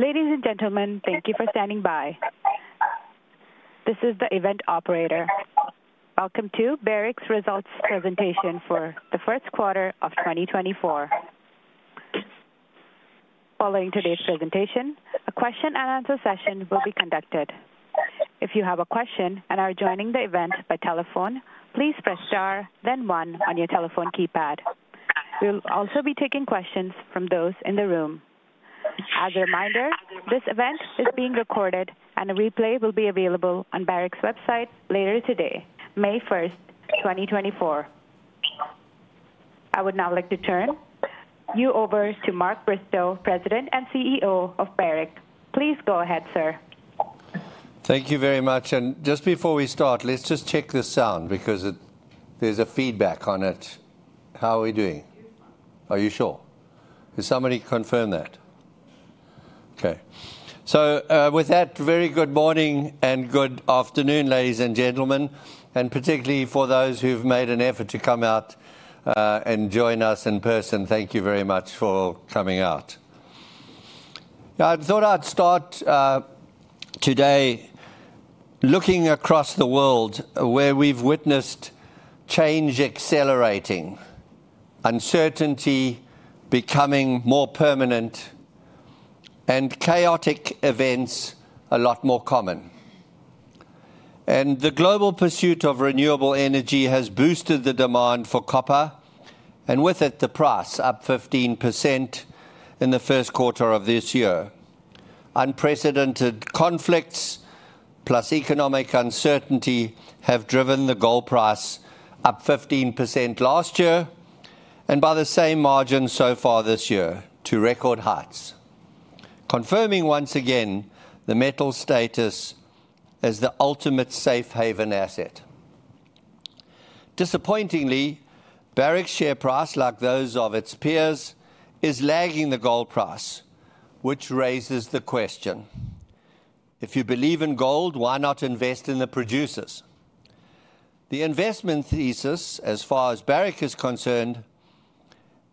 Ladies and gentlemen, thank you for standing by. This is the event operator. Welcome to Barrick's Results Presentation for the first quarter of 2024. Following today's presentation, a question and answer session will be conducted. If you have a question and are joining the event by telephone, please press Star, then one on your telephone keypad. We'll also be taking questions from those in the room. As a reminder, this event is being recorded and a replay will be available on Barrick's website later today, May 1, 2024. I would now like to turn you over to Mark Bristow, President and CEO of Barrick. Please go ahead, sir. Thank you very much, and just before we start, let's just check the sound because there's feedback on it. How are we doing? Are you sure? Can somebody confirm that? Okay. So, with that, very good morning and good afternoon, ladies and gentlemen, and particularly for those who've made an effort to come out and join us in person. Thank you very much for coming out. Now, I thought I'd start today looking across the world, where we've witnessed change accelerating, uncertainty becoming more permanent, and chaotic events a lot more common. The global pursuit of renewable energy has boosted the demand for copper, and with it, the price, up 15% in the first quarter of this year. Unprecedented conflicts, plus economic uncertainty, have driven the gold price up 15% last year, and by the same margin so far this year to record heights, confirming once again the metal's status as the ultimate safe haven asset. Disappointingly, Barrick's share price, like those of its peers, is lagging the gold price, which raises the question: If you believe in gold, why not invest in the producers? The investment thesis, as far as Barrick is concerned,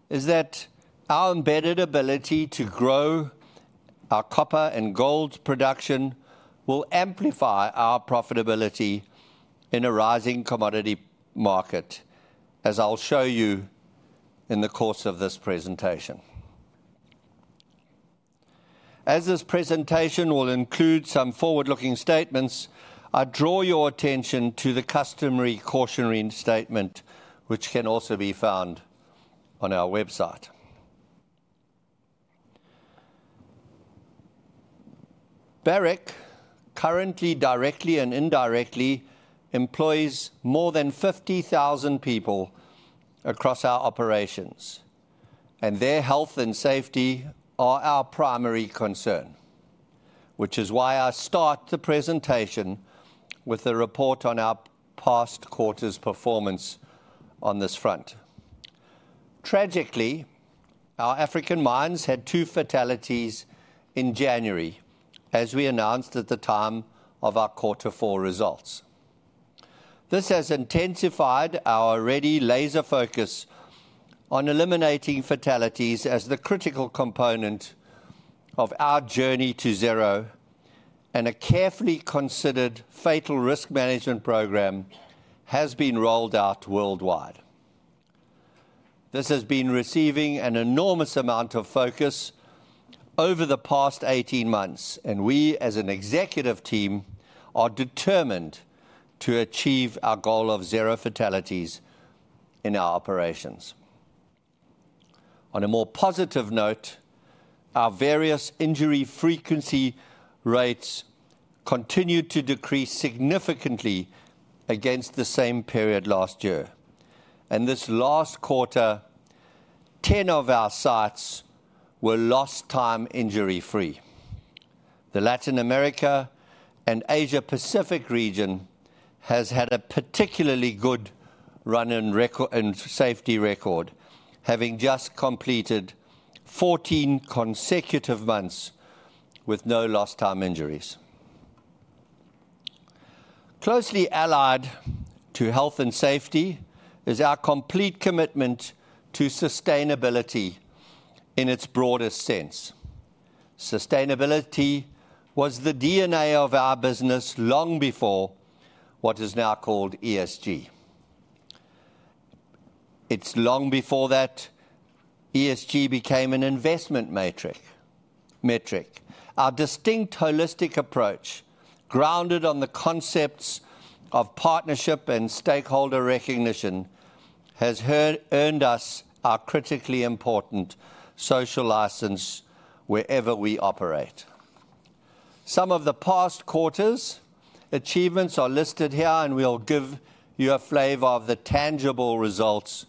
is that our embedded ability to grow our copper and gold production will amplify our profitability in a rising commodity market, as I'll show you in the course of this presentation. As this presentation will include some forward-looking statements, I draw your attention to the customary cautionary statement, which can also be found on our website. Barrick currently, directly and indirectly, employs more than 50,000 people across our operations, and their health and safety are our primary concern, which is why I start the presentation with a report on our past quarter's performance on this front. Tragically, our African mines had two fatalities in January, as we announced at the time of our quarter four results. This has intensified our already laser focus on eliminating fatalities as the critical component of our journey to zero, and a carefully considered fatal risk management program has been rolled out worldwide. This has been receiving an enormous amount of focus over the past 18 months, and we, as an executive team, are determined to achieve our goal of zero fatalities in our operations. On a more positive note, our various injury frequency rates continued to decrease significantly against the same period last year. This last quarter, 10 of our sites were lost-time injury-free. The Latin America and Asia Pacific region has had a particularly good run and record and safety record, having just completed 14 consecutive months with no lost-time injuries. Closely allied to health and safety is our complete commitment to sustainability in its broadest sense. Sustainability was the DNA of our business long before what is now called ESG. It's long before that ESG became an investment metric. Our distinct holistic approach, grounded on the concepts of partnership and stakeholder recognition, has earned us our critically important social license wherever we operate. Some of the past quarters' achievements are listed here, and we'll give you a flavor of the tangible results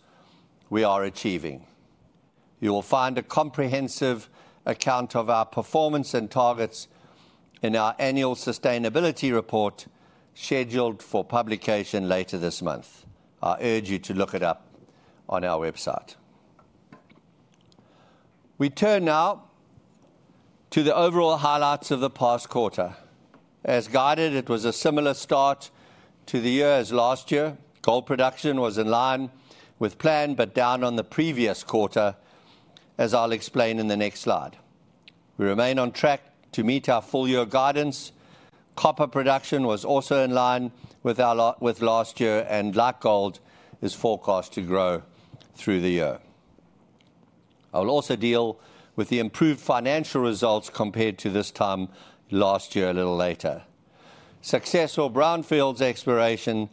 we are achieving. You will find a comprehensive account of our performance and targets in our annual sustainability report, scheduled for publication later this month. I urge you to look it up on our website. We turn now to the overall highlights of the past quarter. As guided, it was a similar start to the year as last year. Gold production was in line with plan, but down on the previous quarter, as I'll explain in the next slide. We remain on track to meet our full-year guidance. Copper production was also in line with our last year, and like gold, is forecast to grow through the year. I'll also deal with the improved financial results compared to this time last year, a little later. Successful brownfields exploration,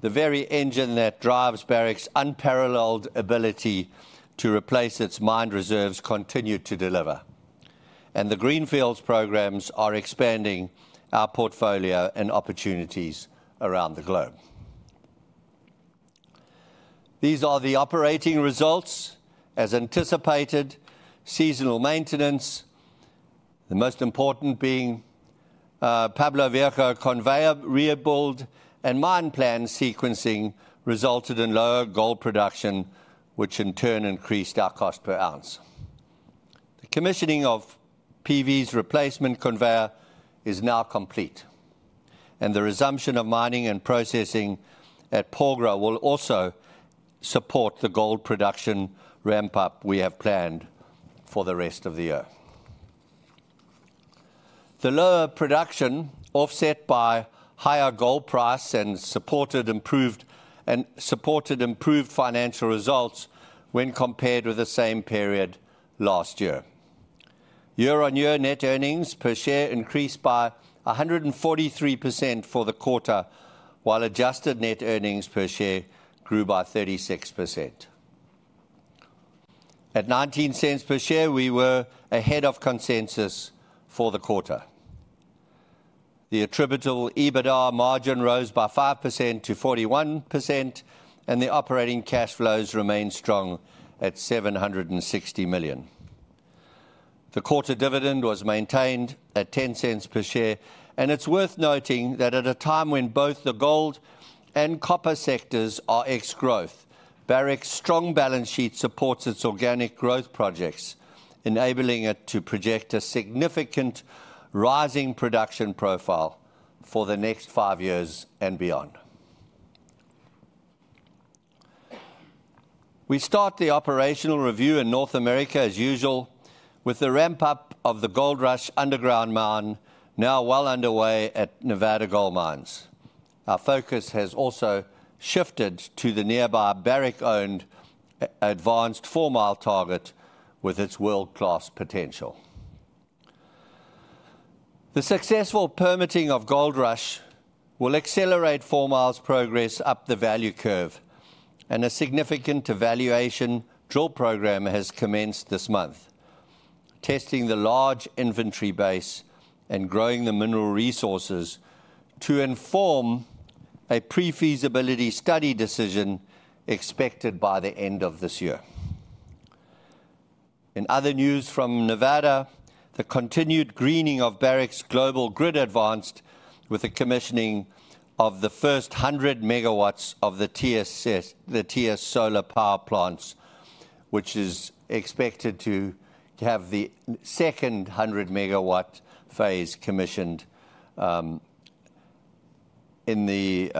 the very engine that drives Barrick's unparalleled ability to replace its mine reserves, continue to deliver, and the greenfields programs are expanding our portfolio and opportunities around the globe. These are the operating results. As anticipated, seasonal maintenance, the most important being, Pueblo Viejo conveyor rebuild and mine plan sequencing, resulted in lower gold production, which in turn increased our cost per ounce. The commissioning of PV's replacement conveyor is now complete, and the resumption of mining and processing at Porgera will also support the gold production ramp-up we have planned for the rest of the year. The lower production, offset by higher gold price and supported improved financial results when compared with the same period last year. Year-on-year net earnings per share increased by 143% for the quarter, while adjusted net earnings per share grew by 36%. At $0.19 per share, we were ahead of consensus for the quarter. The attributable EBITDA margin rose by 5%-41%, and the operating cash flows remained strong at $760 million. The quarter dividend was maintained at $0.10 per share, and it's worth noting that at a time when both the gold and copper sectors are ex-growth, Barrick's strong balance sheet supports its organic growth projects, enabling it to project a significant rising production profile for the next five years and beyond. We start the operational review in North America, as usual, with the ramp-up of the Goldrush underground mine now well underway at Nevada Gold Mines. Our focus has also shifted to the nearby Barrick-owned Advanced Fourmile target, with its world-class potential. The successful permitting of Goldrush will accelerate Fourmile's progress up the value curve, and a significant evaluation drill program has commenced this month, testing the large inventory base and growing the mineral resources to inform a pre-feasibility study decision expected by the end of this year. In other news from Nevada, the continued greening of Barrick's global grid advanced with the commissioning of the first 100 MW of the TS Solar power plants, which is expected to have the second 100 MW phase commissioned in the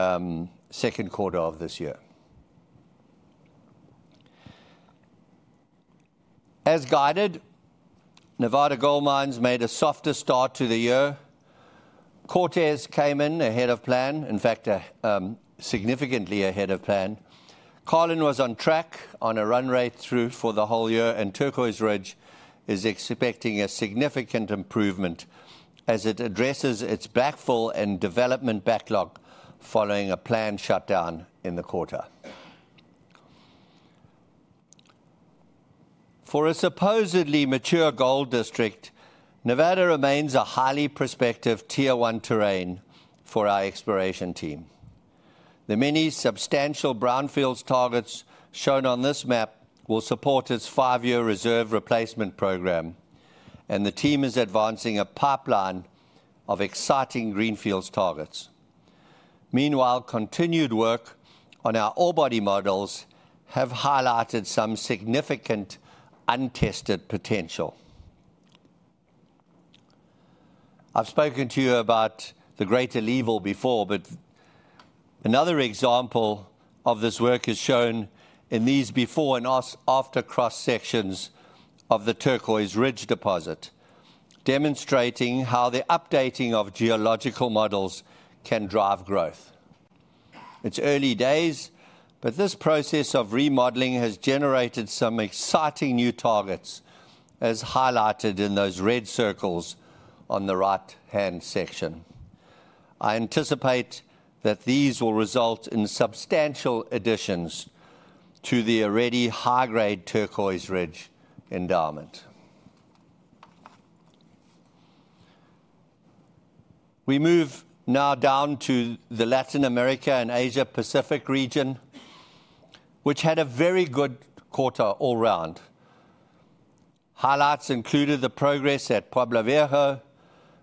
second quarter of this year. As guided, Nevada Gold Mines made a softer start to the year. Cortez came in ahead of plan, in fact, a significantly ahead of plan. Carlin was on track on a run rate through for the whole year, and Turquoise Ridge is expecting a significant improvement as it addresses its backfill and development backlog following a planned shutdown in the quarter. For a supposedly mature gold district, Nevada remains a highly prospective Tier One terrain for our exploration team. The many substantial brownfields targets shown on this map will support its five-year reserve replacement program, and the team is advancing a pipeline of exciting greenfields targets. Meanwhile, continued work on our ore body models have highlighted some significant untested potential. I've spoken to you about the Greater Leeville before, but another example of this work is shown in these before-and-after cross-sections of the Turquoise Ridge deposit, demonstrating how the updating of geological models can drive growth. It's early days, but this process of remodeling has generated some exciting new targets, as highlighted in those red circles on the right-hand section. I anticipate that these will result in substantial additions to the already high-grade Turquoise Ridge endowment. We move now down to the Latin America and Asia Pacific region, which had a very good quarter all around. Highlights included the progress at Pueblo Viejo,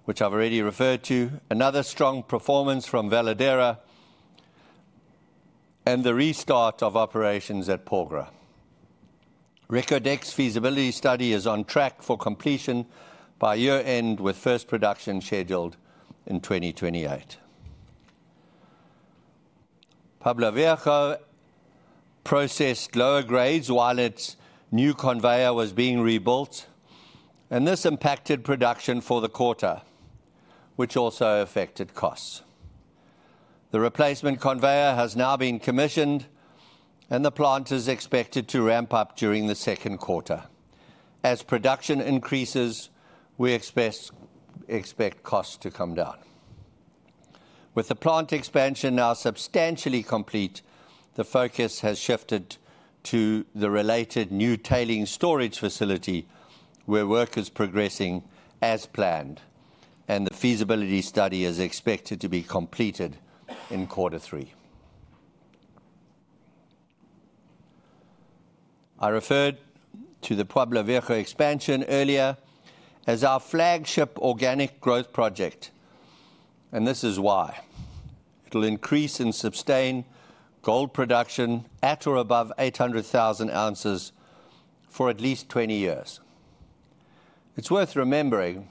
which I've already referred to, another strong performance from Veladero, and the restart of operations at Porgera. Reko Diq feasibility study is on track for completion by year-end, with first production scheduled in 2028. Pueblo Viejo processed lower grades while its new conveyor was being rebuilt, and this impacted production for the quarter, which also affected costs. The replacement conveyor has now been commissioned, and the plant is expected to ramp up during the second quarter. As production increases, we expect costs to come down. With the plant expansion now substantially complete, the focus has shifted to the related new tailings storage facility, where work is progressing as planned, and the feasibility study is expected to be completed in quarter three. I referred to the Pueblo Viejo expansion earlier as our flagship organic growth project, and this is why: It'll increase and sustain gold production at or above 800,000 ounces for at least 20 years. It's worth remembering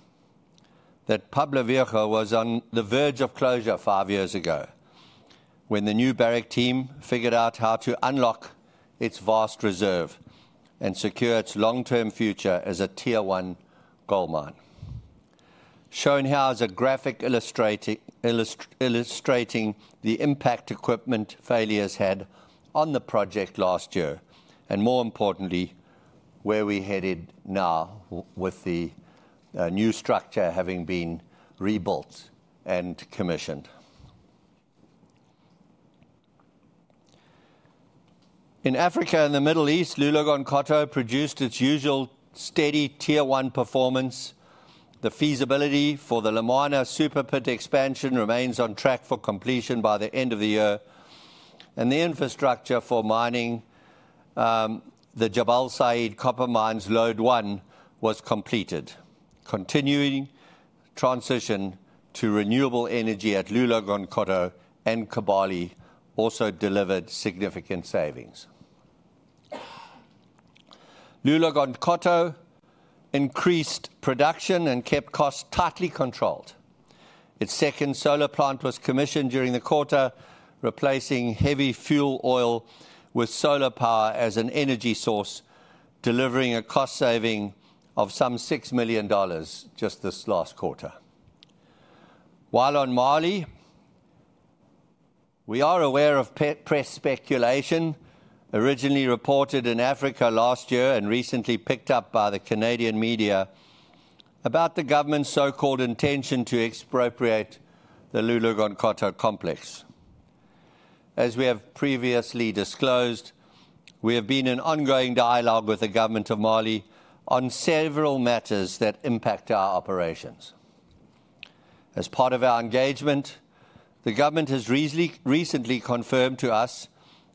that Pueblo Viejo was on the verge of closure five years ago, when the new Barrick team figured out how to unlock its vast reserve and secure its long-term future as a Tier One gold mine. Shown here is a graphic illustrating the impact equipment failures had on the project last year, and more importantly, where we're headed now with the new structure having been rebuilt and commissioned. In Africa and the Middle East, Loulo-Gounkoto produced its usual steady Tier One performance. The feasibility for the Lumwana Super Pit expansion remains on track for completion by the end of the year, and the infrastructure for mining the Jabal Sayid copper mine, Lode 1 was completed. Continuing transition to renewable energy at Loulo-Gounkoto and Kibali also delivered significant savings. Loulo-Gounkoto increased production and kept costs tightly controlled. Its second solar plant was commissioned during the quarter, replacing heavy fuel oil with solar power as an energy source, delivering a cost saving of some $6 million just this last quarter. While on Mali, we are aware of press speculation, originally reported in Africa last year and recently picked up by the Canadian media, about the government's so-called intention to expropriate the Loulo-Gounkoto complex. As we have previously disclosed, we have been in ongoing dialogue with the government of Mali on several matters that impact our operations. As part of our engagement, the government has recently confirmed to us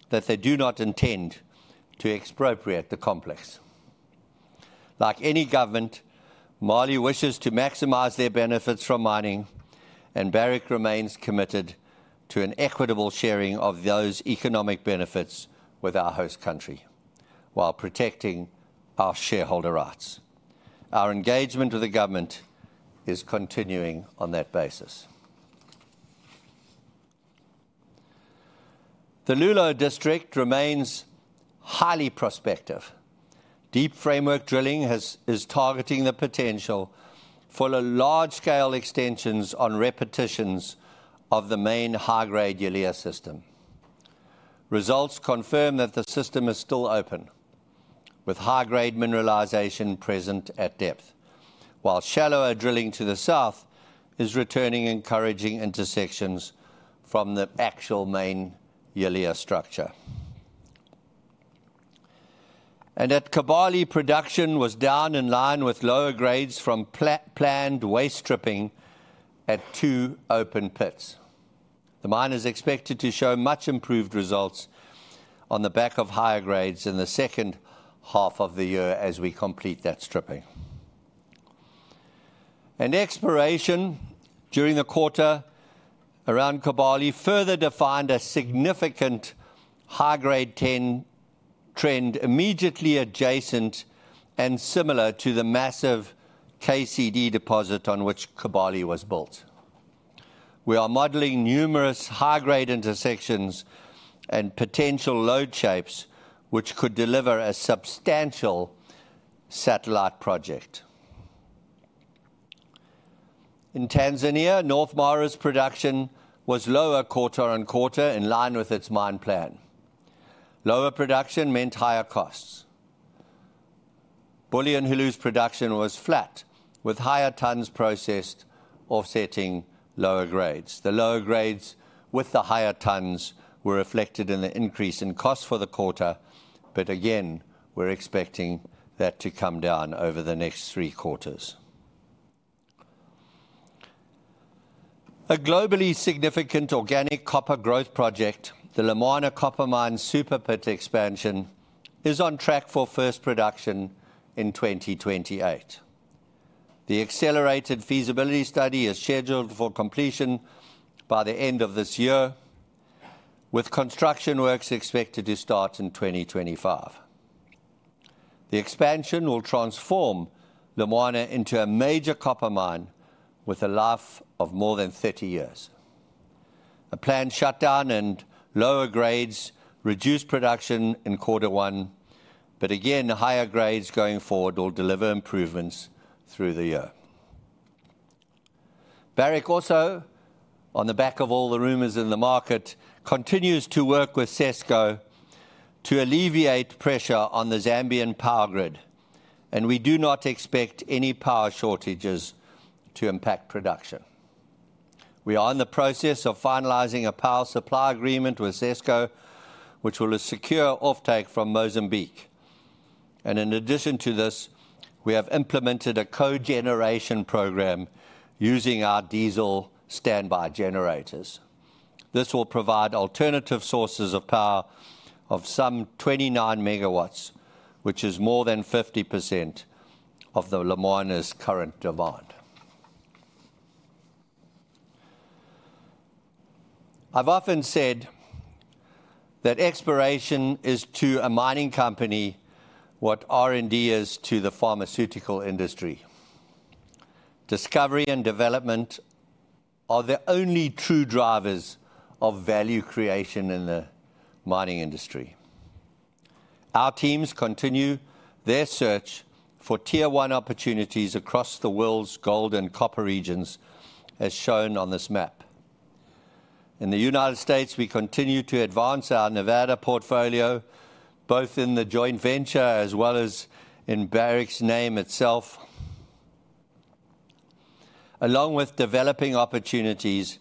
that they do not intend to expropriate the complex. Like any government, Mali wishes to maximize their benefits from mining, and Barrick remains committed to an equitable sharing of those economic benefits with our host country, while protecting our shareholder rights. Our engagement with the government is continuing on that basis. The Loulo district remains highly prospective. Deep framework drilling is targeting the potential for large-scale extensions on repetitions of the main high-grade Yalea system. Results confirm that the system is still open, with high-grade mineralization present at depth, while shallower drilling to the south is returning encouraging intersections from the actual main Yalea structure. At Kibali, production was down in line with lower grades from planned waste stripping at two open pits. The mine is expected to show much improved results on the back of higher grades in the second half of the year as we complete that stripping. Exploration during the quarter around Kibali further defined a significant high-grade 10 trend immediately adjacent and similar to the massive KCD deposit on which Kibali was built. We are modeling numerous high-grade intersections and potential lode shapes, which could deliver a substantial satellite project. In Tanzania, North Mara's production was lower quarter-on-quarter, in line with its mine plan. Lower production meant higher costs. Bulyanhulu's production was flat, with higher tons processed offsetting lower grades. The lower grades with the higher tons were reflected in the increase in cost for the quarter, but again, we're expecting that to come down over the next three quarters. A globally significant organic copper growth project, the Lumwana Copper Mine Super Pit expansion, is on track for first production in 2028. The accelerated feasibility study is scheduled for completion by the end of this year, with construction works expected to start in 2025. The expansion will transform Lumwana into a major copper mine with a life of more than 30 years. A planned shutdown and lower grades reduced production in quarter one, but again, higher grades going forward will deliver improvements through the year. Barrick also, on the back of all the rumors in the market, continues to work with ZESCO to alleviate pressure on the Zambian power grid, and we do not expect any power shortages to impact production. We are in the process of finalizing a power supply agreement with ZESCO, which will secure offtake from Mozambique. In addition to this, we have implemented a cogeneration program using our diesel standby generators. This will provide alternative sources of power of some 29 MW, which is more than 50% of the Lumwana's current demand. I've often said that exploration is to a mining company what R&D is to the pharmaceutical industry. Discovery and development are the only true drivers of value creation in the mining industry. Our teams continue their search for Tier One opportunities across the world's gold and copper regions, as shown on this map. In the United States, we continue to advance our Nevada portfolio, both in the joint venture as well as in Barrick's name itself, along with developing opportunities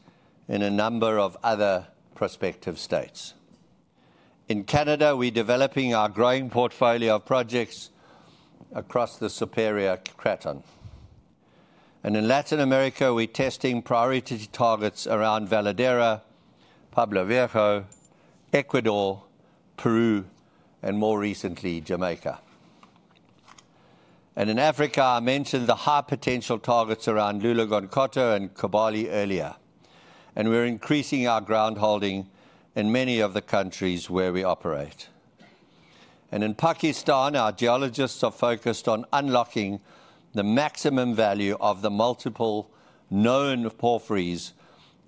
in a number of other prospective states. In Canada, we're developing our growing portfolio of projects across the Superior Craton. In Latin America, we're testing priority targets around Veladero, Pueblo Viejo, Ecuador, Peru, and more recently, Jamaica. In Africa, I mentioned the high-potential targets around Loulo-Gounkoto and Kibali earlier, and we're increasing our ground holding in many of the countries where we operate. In Pakistan, our geologists are focused on unlocking the maximum value of the multiple known porphyries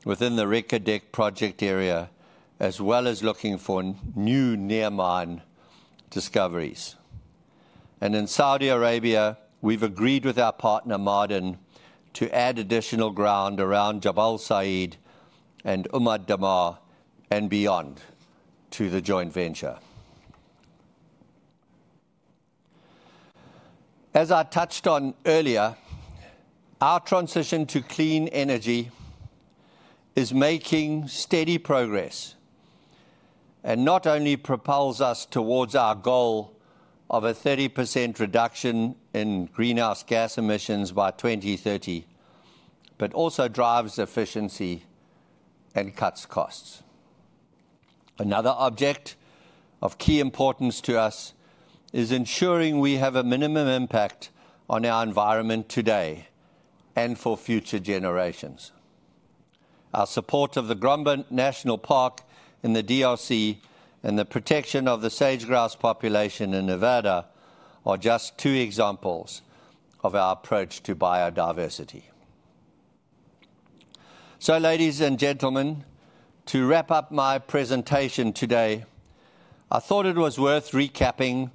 within the Reko Diq project area, as well as looking for new near-mine discoveries. In Saudi Arabia, we've agreed with our partner, Ma'aden, to add additional ground around Jabal Sayid and Umm Ad Damar and beyond to the joint venture. As I touched on earlier, our transition to clean energy is making steady progress, and not only propels us towards our goal of a 30% reduction in greenhouse gas emissions by 2030, but also drives efficiency and cuts costs. Another object of key importance to us is ensuring we have a minimum impact on our environment today and for future generations. Our support of the Garamba National Park in the DRC and the protection of the Sage Grouse population in Nevada are just two examples of our approach to biodiversity. Ladies and gentlemen, to wrap up my presentation today, I thought it was worth recapping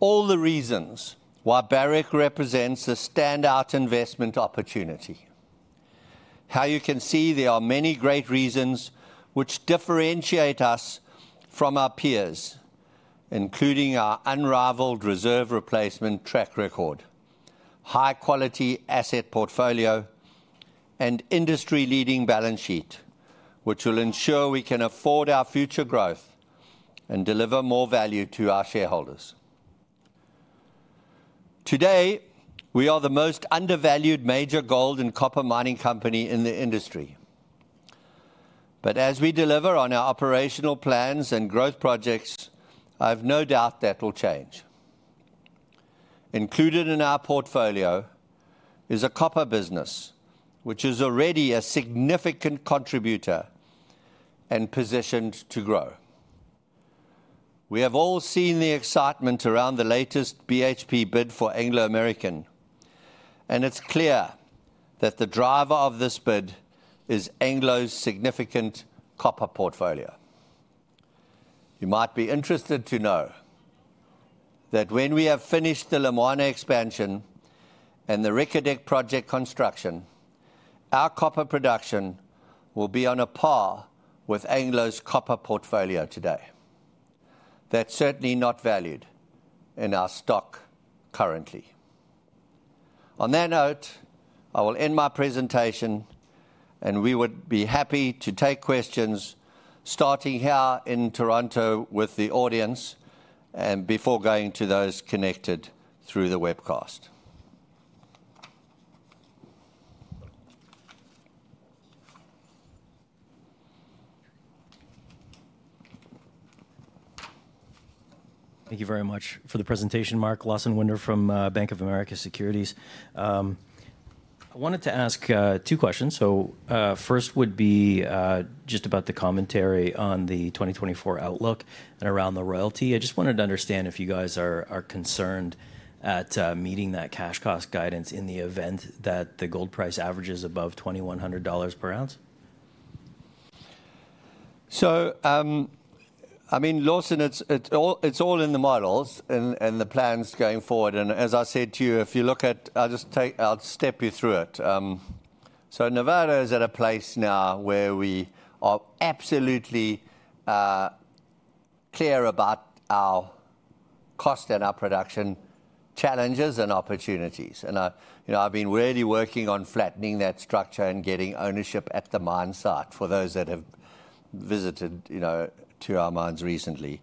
all the reasons why Barrick represents a standout investment opportunity. How you can see there are many great reasons which differentiate us from our peers, including our unrivaled reserve replacement track record, high-quality asset portfolio, and industry-leading balance sheet, which will ensure we can afford our future growth and deliver more value to our shareholders. Today, we are the most undervalued major gold and copper mining company in the industry. But as we deliver on our operational plans and growth projects, I have no doubt that will change. Included in our portfolio is a copper business, which is already a significant contributor and positioned to grow. We have all seen the excitement around the latest BHP bid for Anglo American, and it's clear that the driver of this bid is Anglo's significant copper portfolio. You might be interested to know that when we have finished the Lumwana expansion and the Reko Diq project construction, our copper production will be on a par with Anglo's copper portfolio today. That's certainly not valued in our stock currently. On that note, I will end my presentation, and we would be happy to take questions, starting here in Toronto with the audience and before going to those connected through the webcast. ... Thank you very much for the presentation, Mark. Lawson Winder from Bank of America Securities. I wanted to ask two questions. So first would be just about the commentary on the 2024 outlook and around the royalty. I just wanted to understand if you guys are concerned at meeting that cash cost guidance in the event that the gold price average is above $2,100 per ounce? So, I mean, Lawson, it's all in the models and the plans going forward. And as I said to you, I'll step you through it. So Nevada is at a place now where we are absolutely clear about our cost and our production challenges and opportunities. And I, you know, I've been really working on flattening that structure and getting ownership at the mine site, for those that have visited, you know, to our mines recently.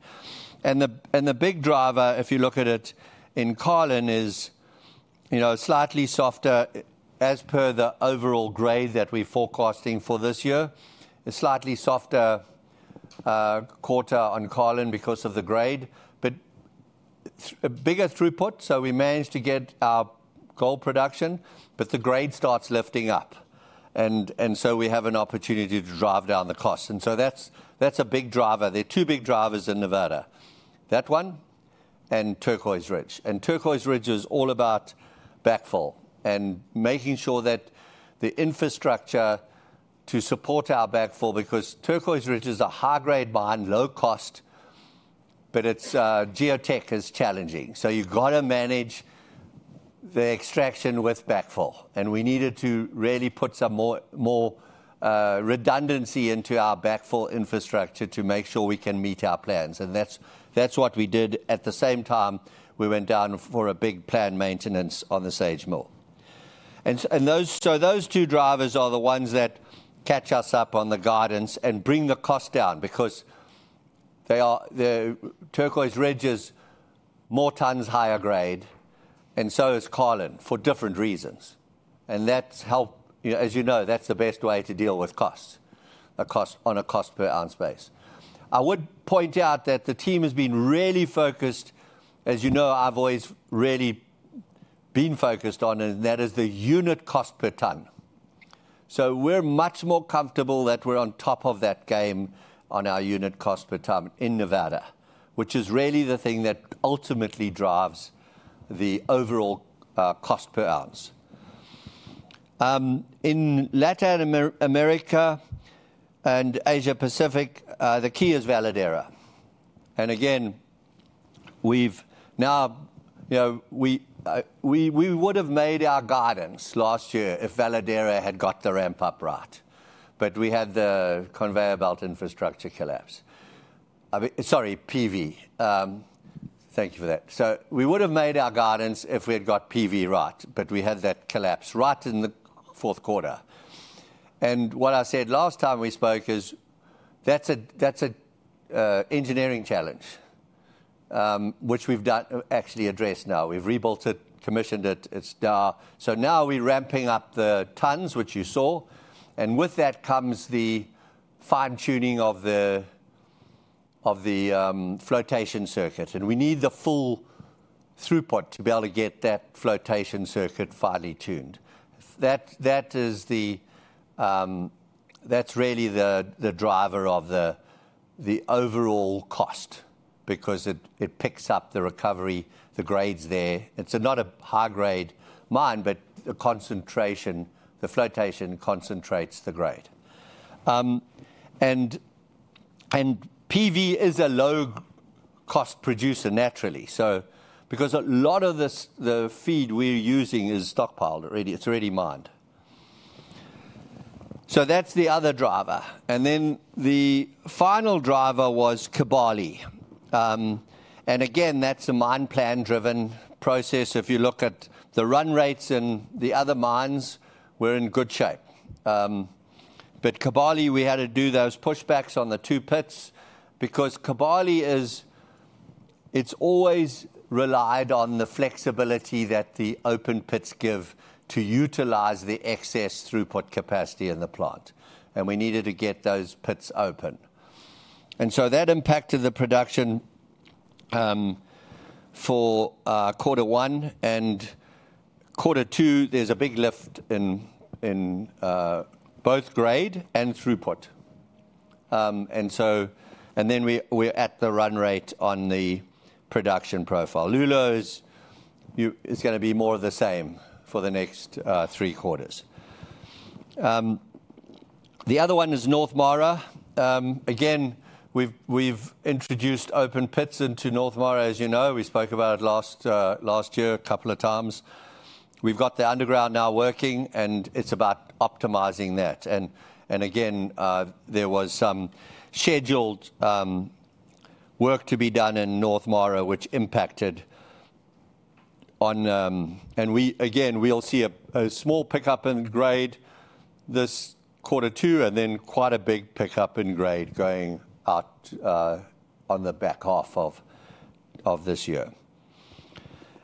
And the big driver, if you look at it in Carlin, is, you know, slightly softer as per the overall grade that we're forecasting for this year. A slightly softer quarter on Carlin because of the grade. But a bigger throughput, so we managed to get our gold production, but the grade starts lifting up, and so we have an opportunity to drive down the cost. And so that's a big driver. There are two big drivers in Nevada, that one and Turquoise Ridge. And Turquoise Ridge is all about backfill and making sure that the infrastructure to support our backfill... Because Turquoise Ridge is a high-grade mine, low cost, but its geotech is challenging. So you've got to manage the extraction with backfill, and we needed to really put some more redundancy into our backfill infrastructure to make sure we can meet our plans. And that's what we did. At the same time, we went down for a big planned maintenance on the SAG mill. So those two drivers are the ones that catch us up on the guidance and bring the cost down because they are the Turquoise Ridge is more tons higher grade, and so is Carlin, for different reasons, and that's helped. You know, as you know, that's the best way to deal with costs, a cost, on a cost-per-ounce base. I would point out that the team has been really focused, as you know, I've always really been focused on, and that is the unit cost per ton. So we're much more comfortable that we're on top of that game on our unit cost per ton in Nevada, which is really the thing that ultimately drives the overall cost per ounce. In Latin America and Asia Pacific, the key is Veladero. And again, we've now... You know, we would have made our guidance last year if Veladero had got the ramp up right, but we had the conveyor belt infrastructure collapse. I mean, sorry, PV. Thank you for that. So we would have made our guidance if we had got PV right, but we had that collapse right in the fourth quarter. And what I said last time we spoke is, that's an engineering challenge, which we've actually addressed now. We've rebuilt it, commissioned it, it's done. So now we're ramping up the tons, which you saw, and with that comes the fine-tuning of the flotation circuit. And we need the full throughput to be able to get that flotation circuit finely tuned. That is really the driver of the overall cost because it picks up the recovery, the grades there. It's not a high-grade mine, but the concentration, the flotation concentrates the grade. PV is a low-cost producer naturally, so because a lot of this, the feed we're using is stockpiled. It's already mined. So that's the other driver. And then the final driver was Kibali. And again, that's a mine plan-driven process. If you look at the run rates in the other mines, we're in good shape. But Kibali, we had to do those pushbacks on the two pits, because Kibali is. It's always relied on the flexibility that the open pits give to utilize the excess throughput capacity in the plant, and we needed to get those pits open. And so that impacted the production for quarter one, and quarter two, there's a big lift in both grade and throughput. And then we, we're at the run rate on the production profile. Loulo is gonna be more of the same for the next three quarters. The other one is North Mara. Again, we've introduced open pits into North Mara. As you know, we spoke about it last year a couple of times. We've got the underground now working, and it's about optimizing that. And again, there was some scheduled work to be done in North Mara which impacted on... And we, again, we'll see a small pickup in grade this quarter two, and then quite a big pickup in grade going out on the back half of this year,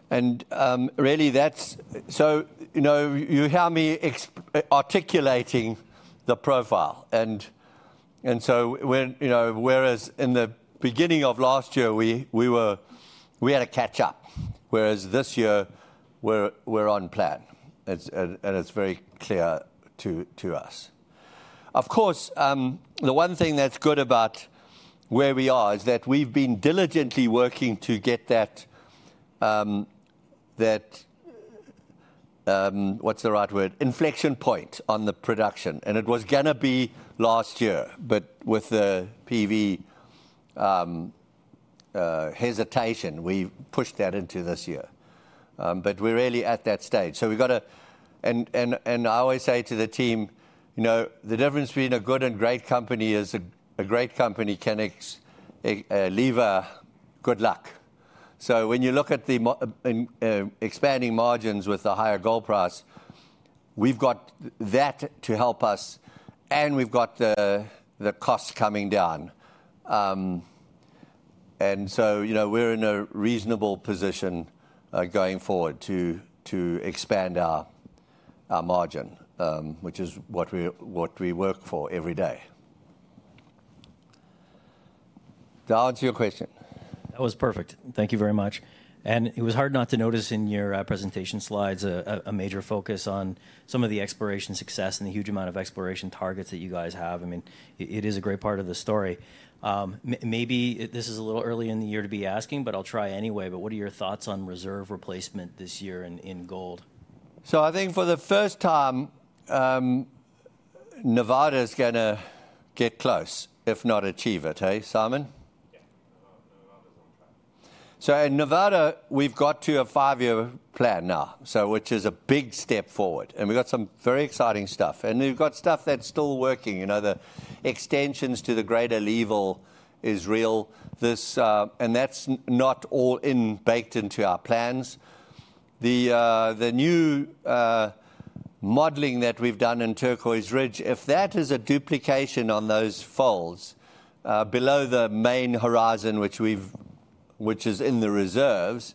and really that's, so, you know, you hear me articulating the profile, and so when, you know, whereas in the beginning of last year, we had to catch up, whereas this year, we're on plan. It's very clear to us. Of course, the one thing that's good about where we are is that we've been diligently working to get that... What's the right word? Inflection point on the production, and it was gonna be last year, but with the PV hesitation, we've pushed that into this year. But we're really at that stage. So we've got and I always say to the team, "You know, the difference between a good and great company is a great company can execute, leave a good legacy." So when you look at the expanding margins with the higher gold price, we've got that to help us, and we've got the costs coming down. And so, you know, we're in a reasonable position going forward to expand our margin, which is what we work for every day. To answer your question. That was perfect. Thank you very much. It was hard not to notice in your presentation slides a major focus on some of the exploration success and the huge amount of exploration targets that you guys have. I mean, it is a great part of the story. Maybe this is a little early in the year to be asking, but I'll try anyway. But what are your thoughts on reserve replacement this year in gold? So I think for the first time, Nevada's gonna get close, if not achieve it, eh, Simon? So in Nevada, we've got to a five-year plan now, so which is a big step forward, and we've got some very exciting stuff. We've got stuff that's still working, you know, the extensions to the Greater Leeville is real. This... that's not all in, baked into our plans. The new modeling that we've done in Turquoise Ridge, if that is a duplication on those folds below the main horizon, which we've- which is in the reserves,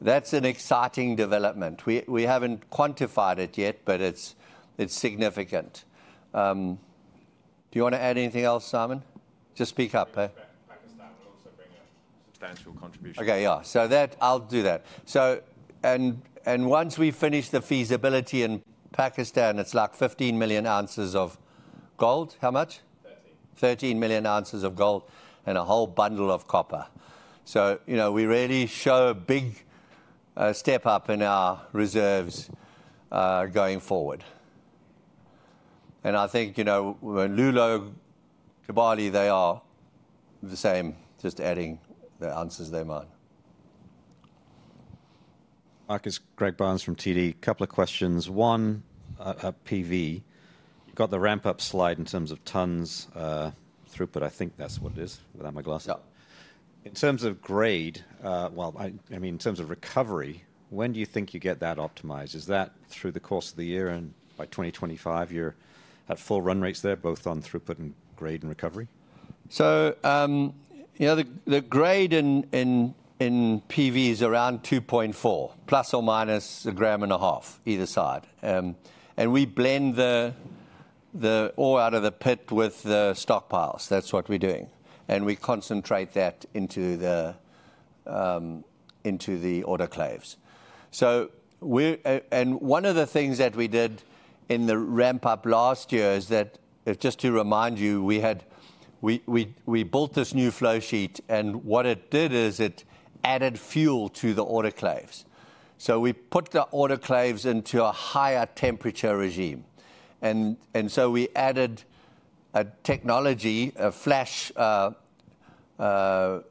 that's an exciting development. We haven't quantified it yet, but it's significant. Do you wanna add anything else, Simon? Just speak up, eh. Pakistan will also bring a substantial contribution. Okay, yeah. So that, I'll do that. And once we finish the feasibility in Pakistan, it's like 15 million ounces of gold. How much? 13 million ounces of gold and a whole bundle of copper. So, you know, we really show a big step up in our reserves going forward. And I think, you know, Loulo, Kibali, they are the same, just adding the ounces they mine. Mark, Greg Barnes from TD. Couple of questions. One, PV. You've got the ramp-up slide in terms of tons, throughput. I think that's what it is, without my glasses. Yeah. In terms of grade, I mean, in terms of recovery, when do you think you get that optimized? Is that through the course of the year, and by 2025, you're at full run rates there, both on throughput and grade and recovery? So, you know, the grade in PV is around 2.4 ±1.5 grams either side. And we blend the ore out of the pit with the stockpiles. That's what we're doing, and we concentrate that into the autoclaves. So, and one of the things that we did in the ramp-up last year is that, just to remind you, we built this new flowsheet, and what it did is it added fuel to the autoclaves. So we put the autoclaves into a higher temperature regime, and so we added a technology, a flash cooling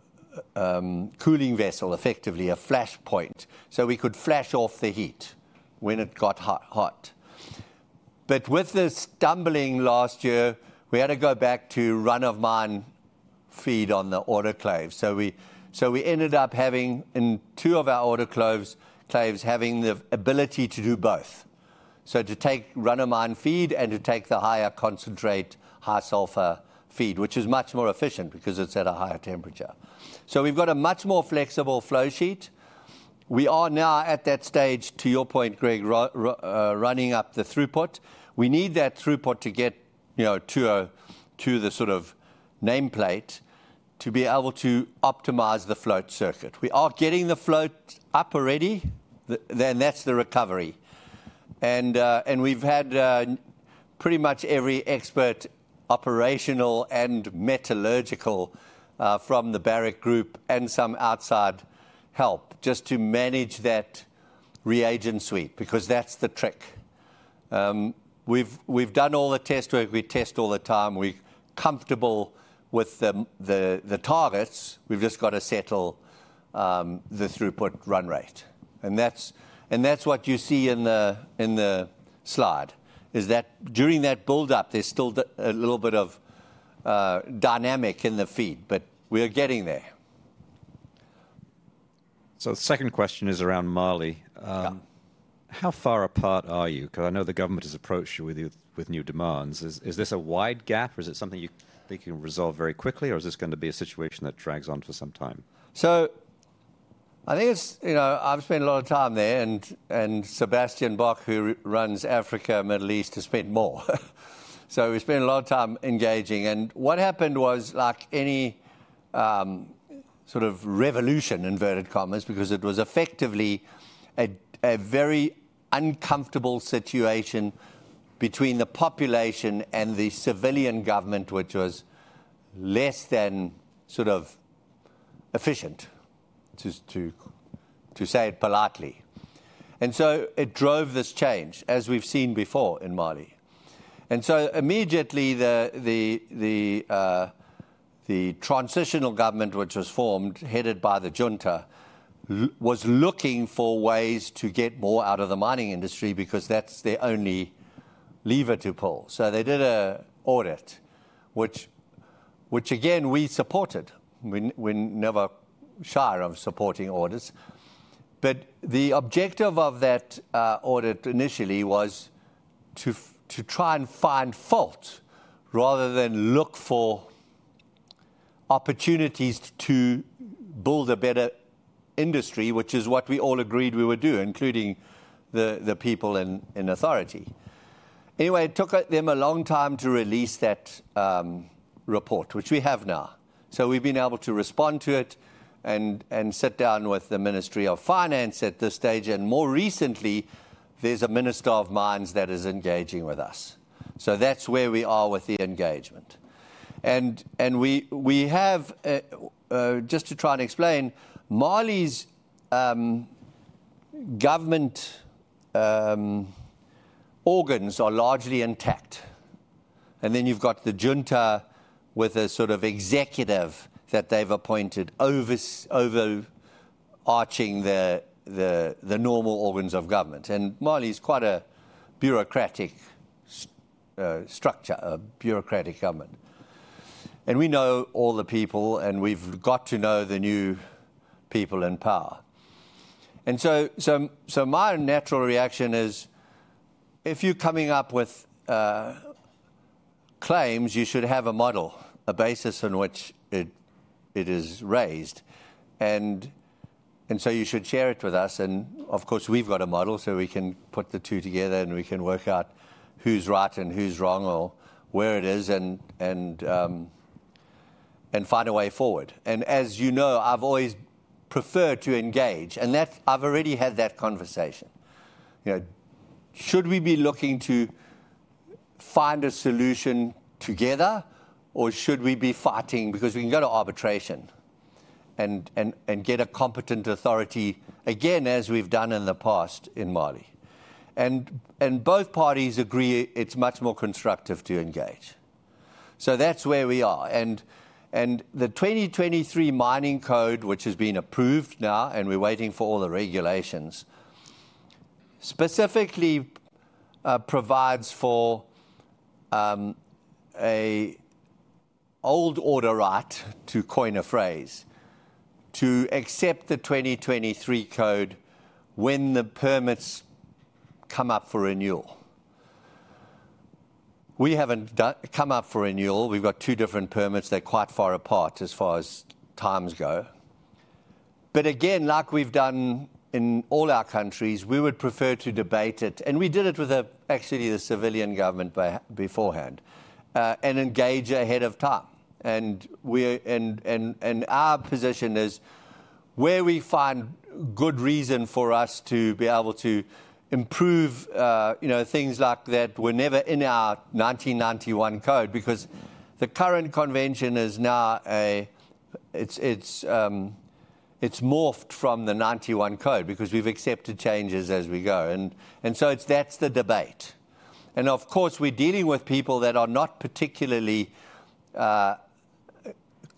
vessel, effectively a flash point, so we could flash off the heat when it got hot. But with the stumbling last year, we had to go back to run-of-mine feed on the autoclave. So we ended up having, in two of our autoclaves, having the ability to do both. So to take run-of-mine feed and to take the higher concentrate, high sulfur feed, which is much more efficient because it's at a higher temperature. So we've got a much more flexible flowsheet. We are now at that stage, to your point, Greg, running up the throughput. We need that throughput to get, you know, to a, to the sort of nameplate, to be able to optimize the float circuit. We are getting the float up already. Then that's the recovery. We've had pretty much every expert, operational and metallurgical, from the Barrick Group and some outside help, just to manage that reagent suite, because that's the trick. We've done all the test work. We test all the time. We're comfortable with the targets. We've just got to settle the throughput run rate. And that's what you see in the slide, is that during that build-up, there's still a little bit of dynamic in the feed, but we are getting there. So the second question is around Mali. How far apart are you? 'Cause I know the government has approached you with new demands. Is this a wide gap, or is it something you think you can resolve very quickly, or is this going to be a situation that drags on for some time? So I think it's, you know, I've spent a lot of time there, and Sebastiaan Bock, who runs Africa and Middle East, has spent more. So we've spent a lot of time engaging. And what happened was, like any sort of revolution, inverted commas, because it was effectively a very uncomfortable situation between the population and the civilian government, which was less than sort of efficient, to say it politely. And so it drove this change, as we've seen before in Mali. And so immediately, the transitional government, which was formed, headed by the junta, was looking for ways to get more out of the mining industry because that's their only lever to pull. So they did an audit, which, again, we supported. We're never shy of supporting audits. But the objective of that audit initially was to try and find fault rather than look for opportunities to build a better industry, which is what we all agreed we would do, including the people in authority. Anyway, it took them a long time to release that report, which we have now. So we've been able to respond to it, and sit down with the Ministry of Finance at this stage, and more recently, there's a minister of mines that is engaging with us. So that's where we are with the engagement. And we have... Just to try and explain, Mali's government organs are largely intact, and then you've got the junta with a sort of executive that they've appointed overarching the normal organs of government. Mali's quite a bureaucratic structure, a bureaucratic government. We know all the people, and we've got to know the new people in power. So my natural reaction is, if you're coming up with claims, you should have a model, a basis on which it is raised. So you should share it with us, and of course, we've got a model, so we can put the two together, and we can work out who's right and who's wrong or where it is, and find a way forward. As you know, I've always preferred to engage, and I've already had that conversation. You know, should we be looking to find a solution together, or should we be fighting? Because we can go to arbitration and get a competent authority, again, as we've done in the past in Mali. And both parties agree it's much more constructive to engage. So that's where we are. And the 2023 mining code, which has been approved now, and we're waiting for all the regulations, specifically, provides for an old order right, to coin a phrase, to accept the 2023 code when the permits come up for renewal. We haven't come up for renewal. We've got two different permits. They're quite far apart, as far as times go. But again, like we've done in all our countries, we would prefer to debate it, and we did it with the, actually, the civilian government beforehand, and engage ahead of time. Our position is where we find good reason for us to be able to improve, you know, things like that were never in our 1991 code, because the current convention is now a. It's morphed from the '91 code because we've accepted changes as we go. So it's—that's the debate. Of course, we're dealing with people that are not particularly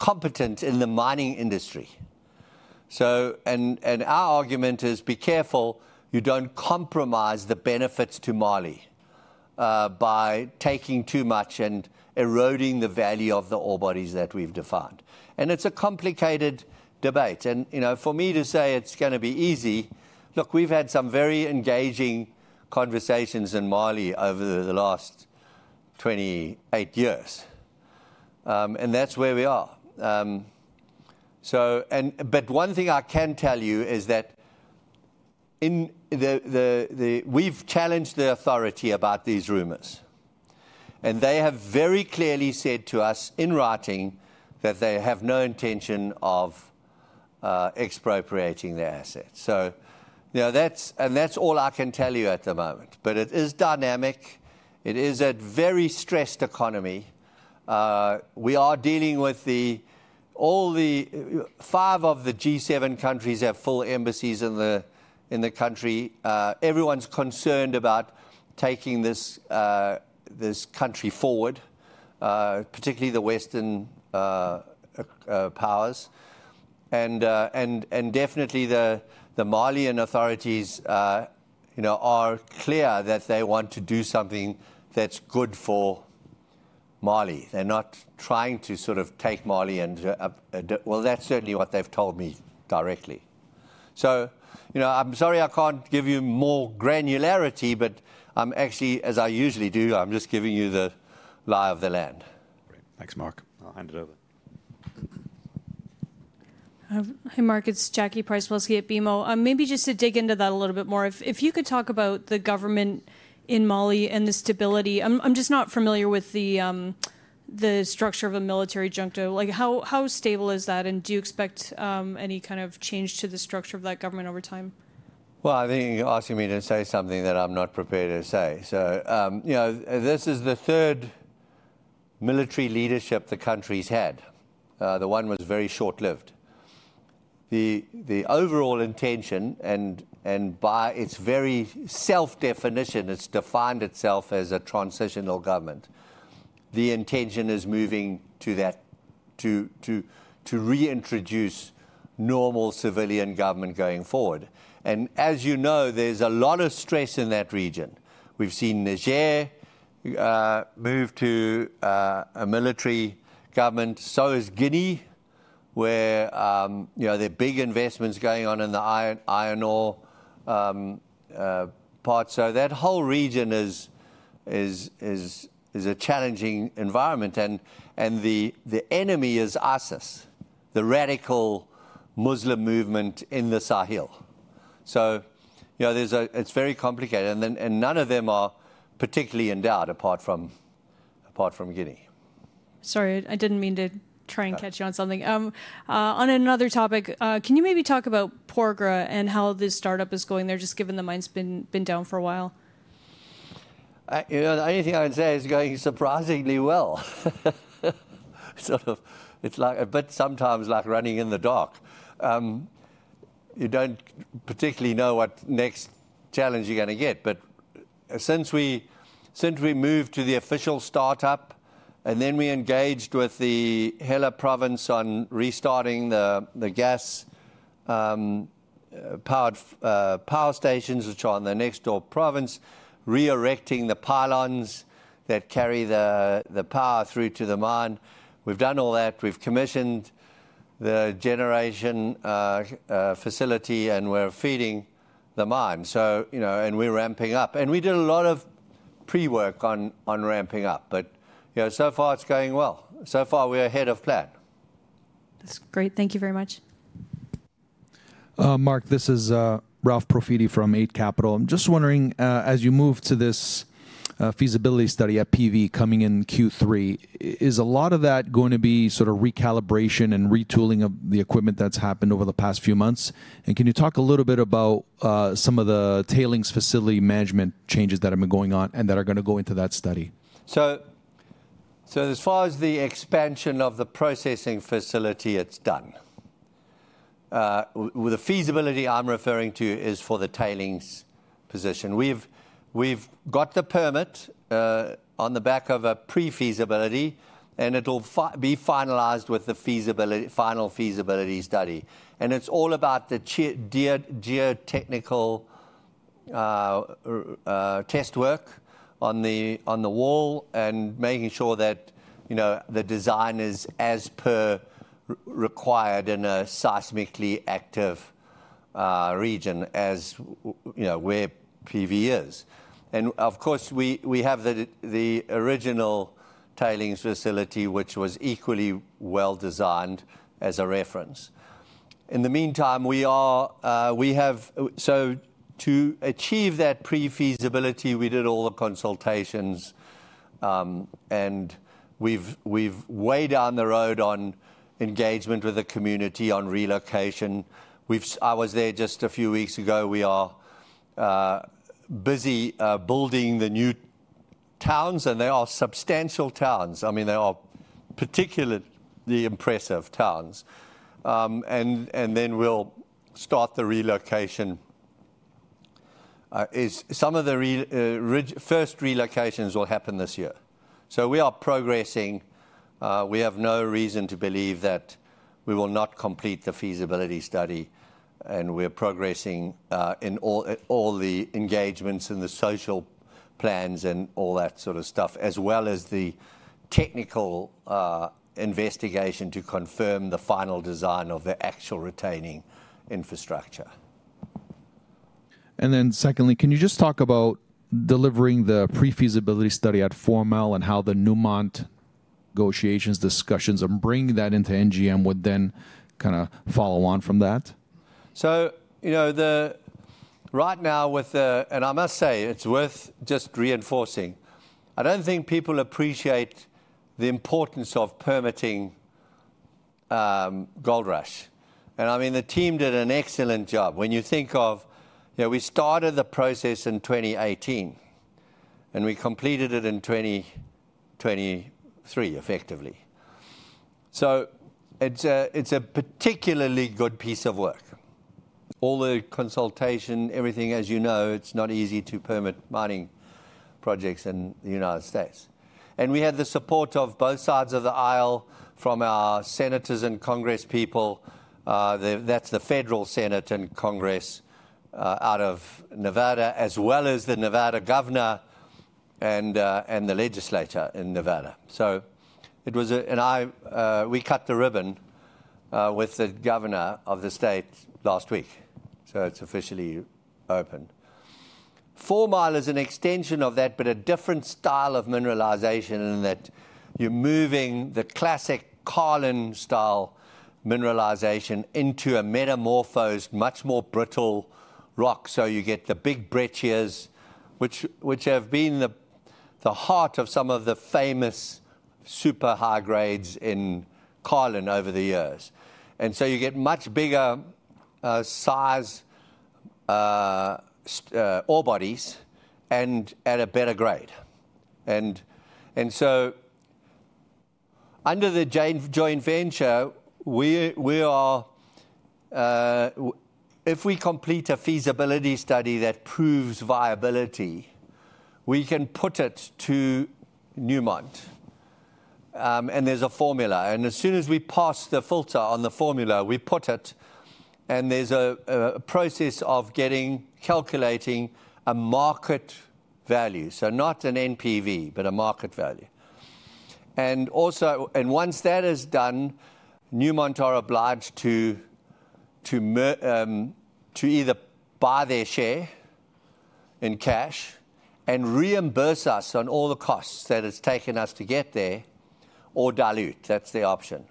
competent in the mining industry. So our argument is, be careful you don't compromise the benefits to Mali by taking too much and eroding the value of the ore bodies that we've defined. It's a complicated debate. You know, for me to say it's gonna be easy, look, we've had some very engaging conversations in Mali over the last 28 years. And that's where we are. So... One thing I can tell you is that we've challenged the authority about these rumors, and they have very clearly said to us in writing that they have no intention of expropriating their assets. So, you know, that's all I can tell you at the moment. But it is dynamic. It is a very stressed economy. We are dealing with the... All the five of the G7 countries have full embassies in the country. Everyone's concerned about taking this country forward, particularly the Western powers. And definitely the Malian authorities, you know, are clear that they want to do something that's good for Mali. They're not trying to sort of take Mali and well, that's certainly what they've told me directly. So, you know, I'm sorry I can't give you more granularity, but I'm actually, as I usually do, I'm just giving you the lie of the land. Great. Thanks, Mark. I'll hand it over. Hi, Mark, it's Jackie Przybylowski at BMO. Maybe just to dig into that a little bit more, if you could talk about the government in Mali and the stability. I'm just not familiar with the structure of a military junta. Like, how stable is that, and do you expect any kind of change to the structure of that government over time? Well, I think you're asking me to say something that I'm not prepared to say. So, you know, this is the third military leadership the country's had. The one was very short-lived. The overall intention, and by its very self-definition, it's defined itself as a transitional government. The intention is moving to that, to reintroduce normal civilian government going forward. And as you know, there's a lot of stress in that region. We've seen Niger move to a military government, so has Guinea, where, you know, there are big investments going on in the iron ore part. So that whole region is a challenging environment, and the enemy is ISIS, the radical Muslim movement in the Sahel. So, you know, there's a... It's very complicated, and then none of them are particularly in doubt, apart from Guinea. Sorry, I didn't mean to try and catch you on something. On another topic, can you maybe talk about Porgera and how this startup is going there, just given the mine's been down for a while? You know, the only thing I would say, it's going surprisingly well. Sort of, it's like, but sometimes like running in the dark. You don't particularly know what next challenge you're gonna get, but since we, since we moved to the official startup, and then we engaged with the Hela Province on restarting the gas powered power stations, which are on the next door province, re-erecting the pylons that carry the power through to the mine, we've done all that. We've commissioned the generation facility, and we're feeding the mine. So, you know, and we're ramping up. And we did a lot of pre-work on ramping up, but, you know, so far it's going well. So far, we're ahead of plan. That's great. Thank you very much. Mark, this is Ralph Profiti from Eight Capital. I'm just wondering, as you move to this feasibility study at PV coming in Q3, is a lot of that going to be sort of recalibration and retooling of the equipment that's happened over the past few months? And can you talk a little bit about some of the tailings facility management changes that have been going on, and that are gonna go into that study? As far as the expansion of the processing facility, it's done. The feasibility I'm referring to is for the tailings position. We've got the permit on the back of a pre-feasibility, and it'll be finalized with the final feasibility study. And it's all about the geotechnical test work on the wall, and making sure that, you know, the design is as required in a seismically active region, you know, where PV is. And of course, we have the original tailings facility, which was equally well-designed as a reference. In the meantime, to achieve that pre-feasibility, we did all the consultations. And we've way down the road on engagement with the community on relocation. I was there just a few weeks ago. We are busy building the new towns, and they are substantial towns. I mean, they are particularly impressive towns. And then we'll start the relocation. Some of the first relocations will happen this year. So we are progressing. We have no reason to believe that we will not complete the feasibility study, and we're progressing in all, at all the engagements and the social plans and all that sort of stuff, as well as the technical investigation to confirm the final design of the actual retaining infrastructure. Then secondly, can you just talk about delivering the pre-feasibility study at Fourmile, and how the Newmont negotiations, discussions, and bringing that into NGM would then kinda follow on from that? And I must say, it's worth just reinforcing. I don't think people appreciate the importance of permitting Goldrush. And I mean, the team did an excellent job. When you think of, you know, we started the process in 2018, and we completed it in 2023, effectively. So it's a particularly good piece of work. All the consultation, everything, as you know, it's not easy to permit mining projects in the United States. And we had the support of both sides of the aisle, from our senators and congresspeople, that's the Federal Senate and Congress out of Nevada, as well as the Nevada governor and the legislature in Nevada. So it was, and we cut the ribbon with the governor of the state last week, so it's officially open. Fourmile is an extension of that, but a different style of mineralization, in that you're moving the classic Carlin-style mineralization into a metamorphosed, much more brittle rock. So you get the big breccias, which have been the heart of some of the famous super high grades in Carlin over the years. And so you get much bigger size ore bodies and at a better grade. And so under the joint venture, we are. If we complete a feasibility study that proves viability, we can put it to Newmont. And there's a formula, and as soon as we pass the filter on the formula, we put it, and there's a process of calculating a market value. So not an NPV, but a market value. Once that is done, Newmont are obliged to either buy their share in cash and reimburse us on all the costs that it's taken us to get there, or dilute. That's the option.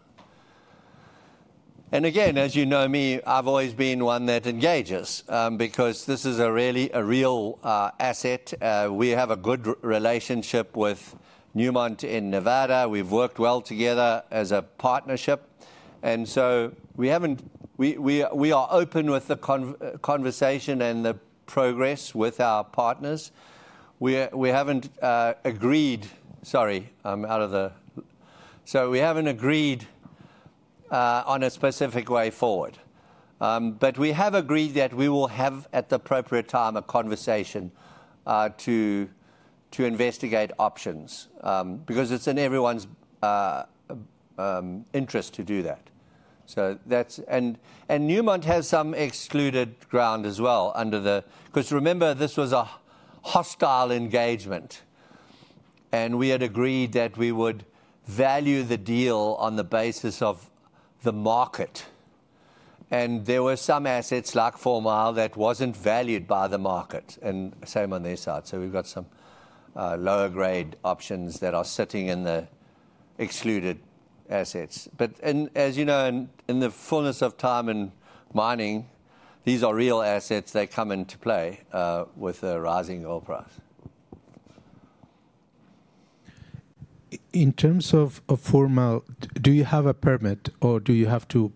And again, as you know me, I've always been one that engages, because this is a really real asset. We have a good relationship with Newmont in Nevada. We've worked well together as a partnership, and so we are open with the conversation and the progress with our partners. We haven't agreed. Sorry, I'm out of the... So we haven't agreed on a specific way forward. But we have agreed that we will have, at the appropriate time, a conversation to investigate options. Because it's in everyone's interest to do that. Newmont has some excluded ground as well, under the... 'Cause remember, this was a hostile engagement, and we had agreed that we would value the deal on the basis of the market. And there were some assets, like Fourmile, that wasn't valued by the market, and same on their side. So we've got some lower-grade options that are sitting in the excluded assets. But... And as you know, in the fullness of time in mining, these are real assets. They come into play with a rising oil price. In terms of Fourmile, do you have a permit, or do you have to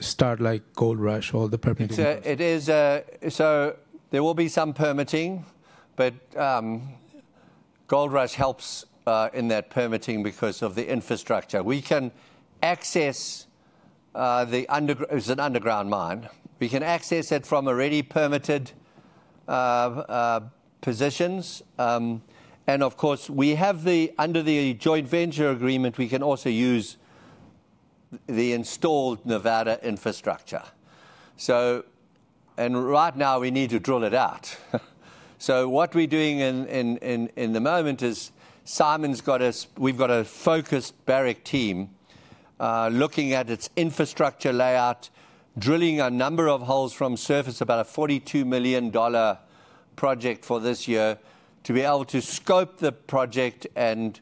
start like Goldrush, all the permitting process? So there will be some permitting, but Goldrush helps in that permitting because of the infrastructure. We can access the underground—it's an underground mine. We can access it from already permitted positions. And of course, under the joint venture agreement, we can also use the installed Nevada infrastructure. So, and right now, we need to drill it out. So what we're doing in the moment is we've got a focused Barrick team looking at its infrastructure layout, drilling a number of holes from surface, about a $42 million project for this year, to be able to scope the project and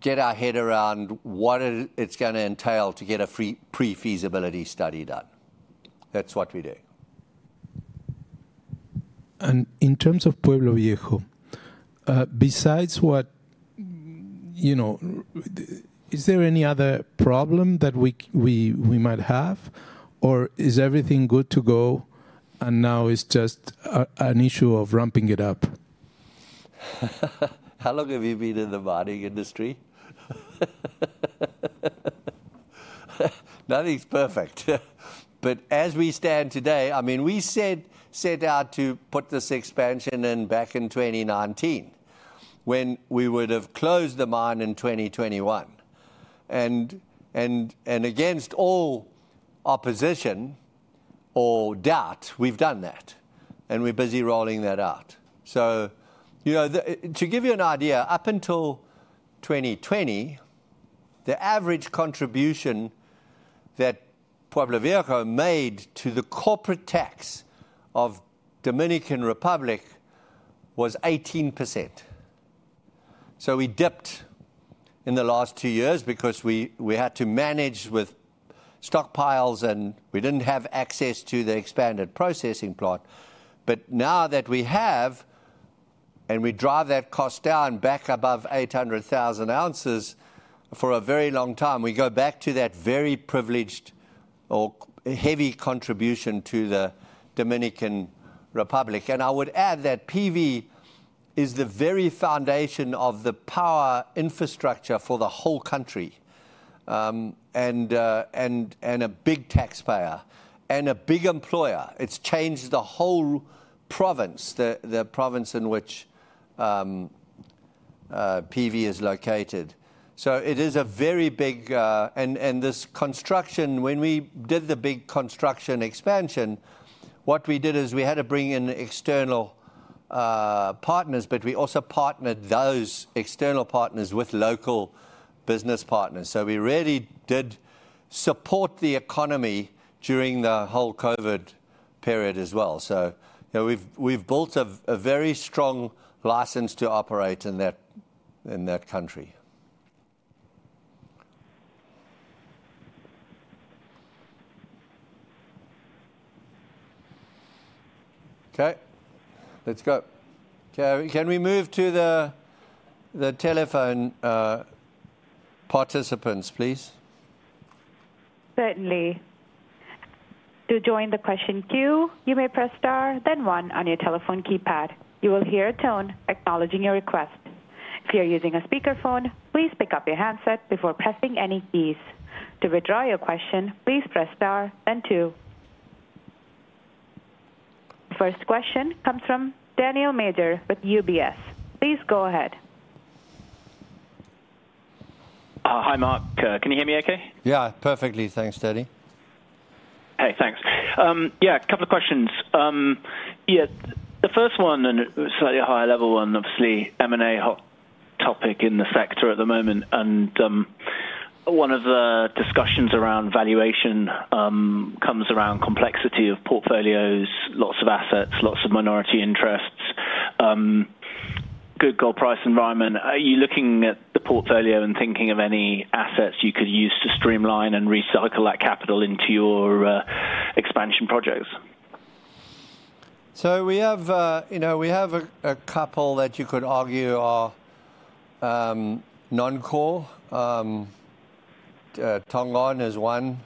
get our head around what it's gonna entail to get a pre-feasibility study done. That's what we're doing. And in terms of Pueblo Viejo, besides what, you know... Is there any other problem that we might have, or is everything good to go, and now it's just a, an issue of ramping it up? How long have you been in the mining industry? Nothing's perfect. But as we stand today, I mean, we set out to put this expansion in back in 2019, when we would have closed the mine in 2021. And against all opposition or doubt, we've done that, and we're busy rolling that out. So, you know... To give you an idea, up until 2020, the average contribution that Pueblo Viejo made to the corporate tax of the Dominican Republic was 18%. So we dipped in the last two years because we had to manage with stockpiles, and we didn't have access to the expanded processing plant. But now that we have, and we drive that cost down back above 800,000 ounces for a very long time, we go back to that very privileged or heavy contribution to the Dominican Republic. I would add that PV is the very foundation of the power infrastructure for the whole country, and a big taxpayer and a big employer. It's changed the whole province, the province in which PV is located. So it is a very big, and this construction, when we did the big construction expansion, what we did is we had to bring in external partners, but we also partnered those external partners with local business partners. So we really did support the economy during the whole COVID period as well. So, you know, we've built a very strong license to operate in that country. Okay, let's go. Can we move to the telephone participants, please? Certainly. To join the question queue, you may press Star, then One on your telephone keypad. You will hear a tone acknowledging your request. If you're using a speakerphone, please pick up your handset before pressing any keys. To withdraw your question, please press Star, then Two. First question comes from Daniel Major with UBS. Please go ahead. Hi, Mark. Can you hear me okay? Yeah, perfectly. Thanks, Danny. Hey, thanks. Yeah, a couple of questions. Yeah, the first one, and slightly a higher level one, obviously, M&A, hot topic in the sector at the moment, and one of the discussions around valuation comes around complexity of portfolios, lots of assets, lots of minority interests, good gold price environment. Are you looking at the portfolio and thinking of any assets you could use to streamline and recycle that capital into your expansion projects? So we have, you know, we have a couple that you could argue are non-core. Tongon is one.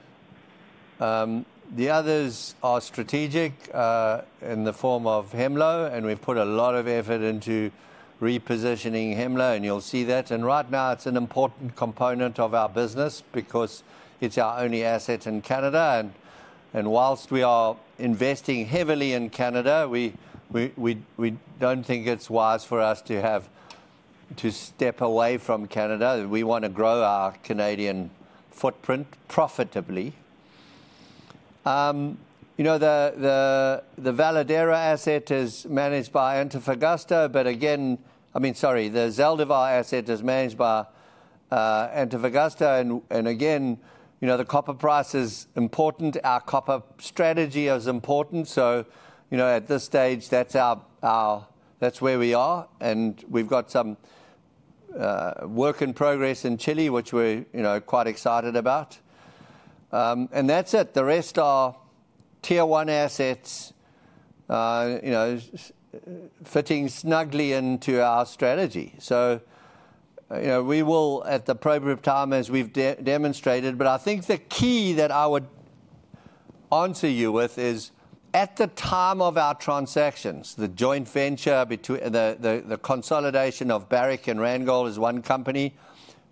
The others are strategic in the form of Hemlo, and we've put a lot of effort into repositioning Hemlo, and you'll see that. And right now, it's an important component of our business because it's our only asset in Canada. And while we are investing heavily in Canada, we don't think it's wise for us to have to step away from Canada. We wanna grow our Canadian footprint profitably. You know, the Veladero asset is managed by Antofagasta, but again, I mean, sorry, the Zaldívar asset is managed by Antofagasta. And again, you know, the copper price is important. Our copper strategy is important, so, you know, at this stage, that's our-- that's where we are, and we've got some work in progress in Chile, which we're, you know, quite excited about. And that's it. The rest are Tier One assets, you know, fitting snugly into our strategy. So, you know, we will, at the appropriate time, as we've demonstrated... But I think the key that I would answer you with is, at the time of our transactions, the joint venture between-- the consolidation of Barrick and Randgold as one company,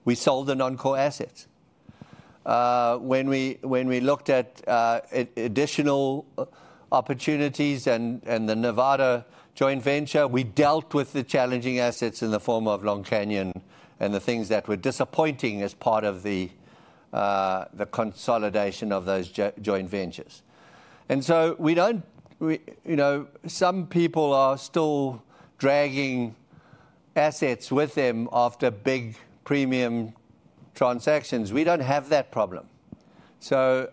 we sold the non-core assets. When we looked at additional opportunities and the Nevada joint venture, we dealt with the challenging assets in the form of Long Canyon and the things that were disappointing as part of the consolidation of those joint ventures. So we don't. You know, some people are still dragging assets with them after big premium transactions. We don't have that problem. So,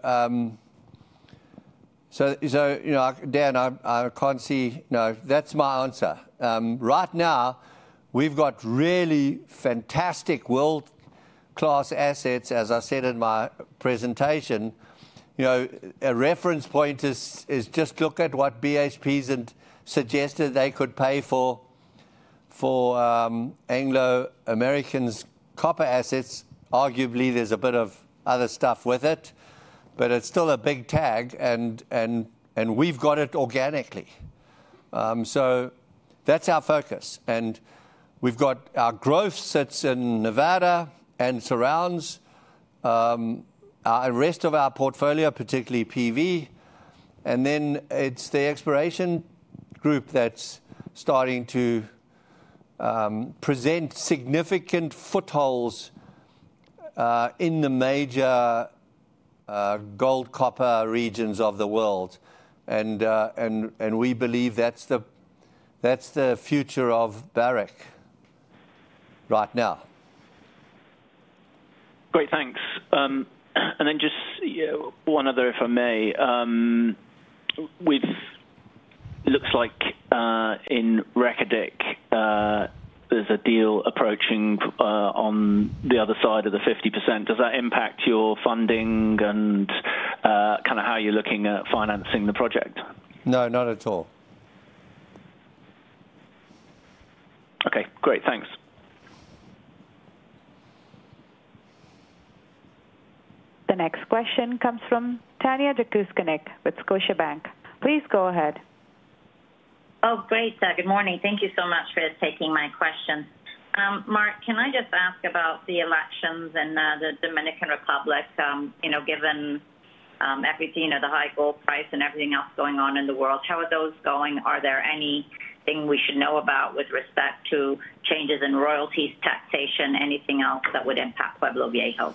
you know, Dan, I can't see... No, that's my answer. Right now, we've got really fantastic world-class assets, as I said in my presentation. You know, a reference point is just look at what BHP's had suggested they could pay for Anglo American's copper assets. Arguably, there's a bit of other stuff with it, but it's still a big tag, and we've got it organically. So that's our focus, and we've got our growth assets in Nevada and surrounds, the rest of our portfolio, particularly PV. And then it's the exploration group that's starting to present significant footholds in the major gold, copper regions of the world. And we believe that's the future of Barrick right now. Great, thanks. And then just, yeah, one other, if I may. It looks like in Reko Diq there's a deal approaching on the other side of the 50%. Does that impact your funding and kinda how you're looking at financing the project? No, not at all. Okay, great. Thanks. The next question comes from Tanya Jakusconek with Scotiabank. Please go ahead. Oh, great, good morning. Thank you so much for taking my question. Mark, can I just ask about the elections in the Dominican Republic? You know, given everything at the high gold price and everything else going on in the world, how are those going? Are there anything we should know about with respect to changes in royalties, taxation, anything else that would impact Pueblo Viejo?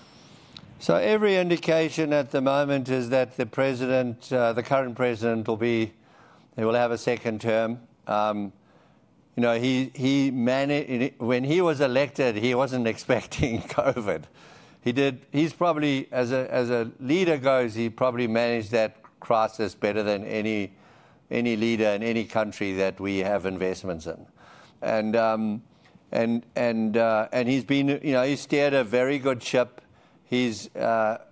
So every indication at the moment is that the president, the current president, will have a second term. You know, when he was elected, he wasn't expecting COVID. He's probably, as a leader goes, he probably managed that crisis better than any leader in any country that we have investments in. And he's been, you know, he's steered a very good ship. He's dealt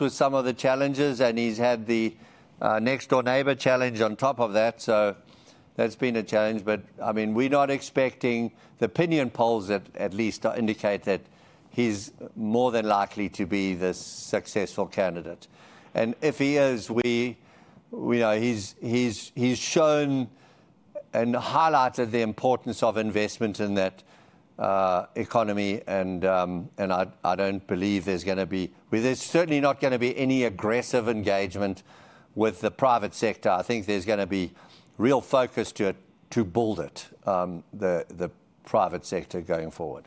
with some of the challenges, and he's had the next-door neighbor challenge on top of that, so that's been a challenge. But, I mean, we're not expecting... The opinion polls at least indicate that he's more than likely to be the successful candidate. And if he is, we know he's shown and highlighted the importance of investment in that economy, and I don't believe there's gonna be—well, there's certainly not gonna be any aggressive engagement with the private sector. I think there's gonna be real focus to it, to build it, the private sector going forward.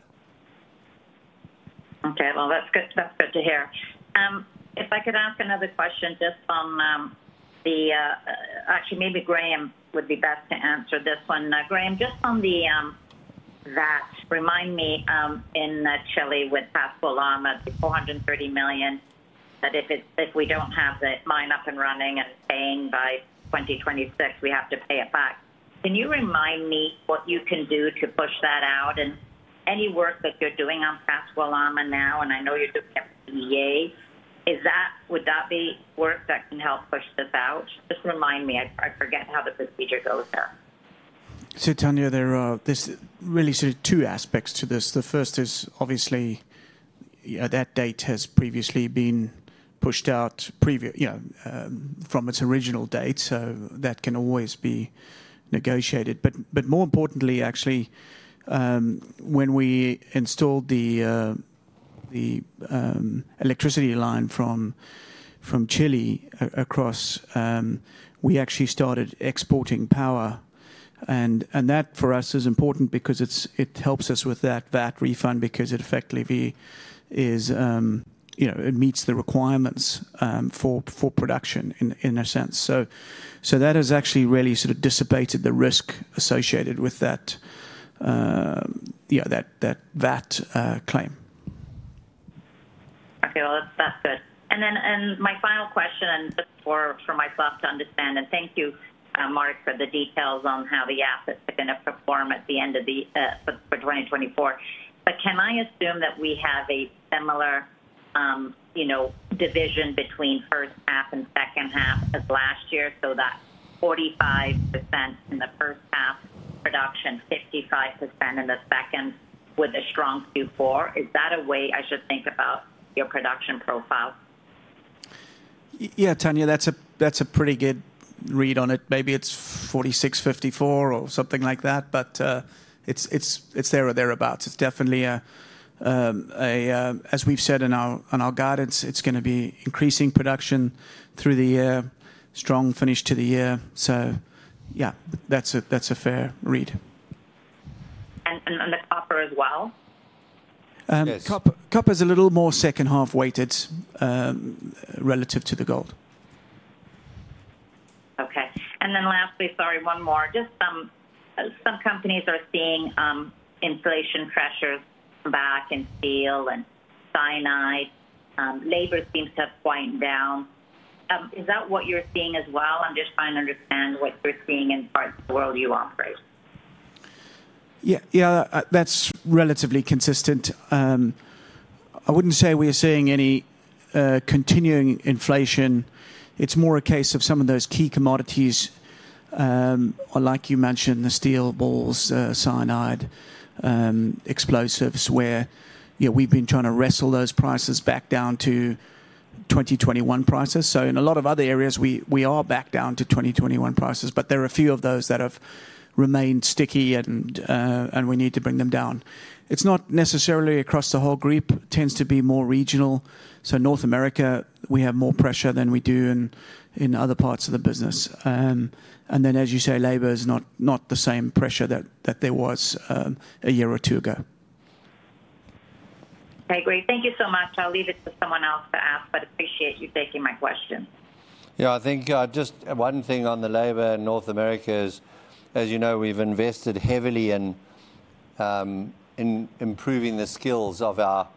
Okay. Well, that's good. That's good to hear. If I could ask another question, just from, the, actually, maybe Graham would be best to answer this one. Graham, just on the, that, remind me, in Chile, with Pascua-Lama, the $430 million, that if it, if we don't have the mine up and running and paying by 2026, we have to pay it back. Can you remind me what you can do to push that out, and any work that you're doing on Pascua-Lama now, and I know you're looking at EA, is that, would that be work that can help push this out? Just remind me. I forget how the procedure goes there. So, Tanya, there's really sort of two aspects to this. The first is, obviously, that date has previously been pushed out, you know, from its original date, so that can always be negotiated. But more importantly, actually, when we installed the electricity line from Chile across, we actually started exporting power. And that, for us, is important because it helps us with that VAT refund, because it effectively meets the requirements for production, in a sense. So that has actually really sort of dissipated the risk associated with that VAT claim. Okay. Well, that's good. Then my final question, just for myself to understand, and thank you, Mark, for the details on how the assets are gonna perform at the end of the for 2024. But can I assume that we have a similar, you know, division between first half and second half as last year? So that 45% in the first half production, 55% in the second, with a strong Q4. Is that a way I should think about your production profile? Yeah, Tanya, that's a pretty good read on it. Maybe it's 46, 54, or something like that, but it's there or thereabouts. It's definitely a... As we've said on our guidance, it's gonna be increasing production through the year, strong finish to the year. So yeah, that's a fair read. And the copper as well? Yes. Copper's a little more second half-weighted, relative to the gold. Okay. And then lastly, sorry, one more. Just some companies are seeing inflation pressures come back in steel and cyanide. Labor seems to have wind down. Is that what you're seeing as well? I'm just trying to understand what you're seeing in parts of the world you operate. Yeah, yeah, that's relatively consistent. I wouldn't say we are seeing any continuing inflation. It's more a case of some of those key commodities, or like you mentioned, the steel balls, cyanide, explosives, where, you know, we've been trying to wrestle those prices back down to 2021 prices. So in a lot of other areas, we are back down to 2021 prices, but there are a few of those that have remained sticky, and we need to bring them down. It's not necessarily across the whole group. Tends to be more regional. So North America, we have more pressure than we do in other parts of the business. And then, as you say, labor is not the same pressure that there was a year or two ago. Okay, great. Thank you so much. I'll leave it to someone else to ask, but appreciate you taking my questions. Yeah, I think just one thing on the labor in North America is, as you know, we've invested heavily in improving the skills of our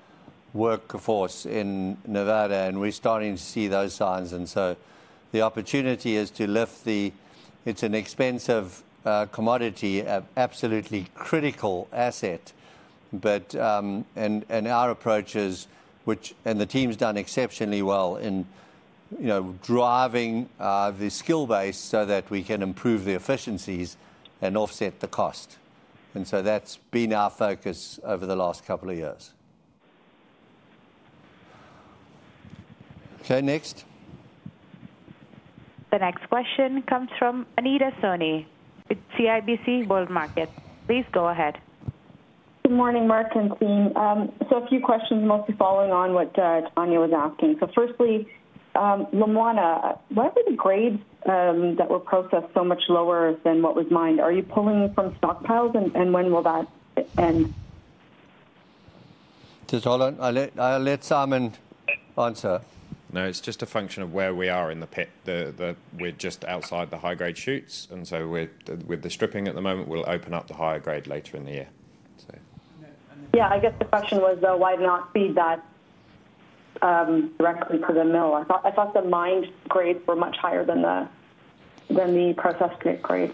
workforce in Nevada, and we're starting to see those signs. And so the opportunity is to lift the. It's an expensive commodity, an absolutely critical asset. But. And our approach is. And the team's done exceptionally well in, you know, driving the skill base so that we can improve the efficiencies and offset the cost. And so that's been our focus over the last couple of years. Okay, next?... The next question comes from Anita Soni with CIBC World Markets. Please go ahead. Good morning, Mark and team. So a few questions, mostly following on what Tanya was asking. So firstly, Lumwana, why were the grades that were processed so much lower than what was mined? Are you pulling from stockpiles, and when will that end? Just hold on. I'll let Simon answer. No, it's just a function of where we are in the pit. We're just outside the high-grade shoots, and so we're, with the stripping at the moment, we'll open up the higher grade later in the year, so. Yeah, I guess the question was, though, why not feed that directly to the mill? I thought the mined grades were much higher than the processed grade.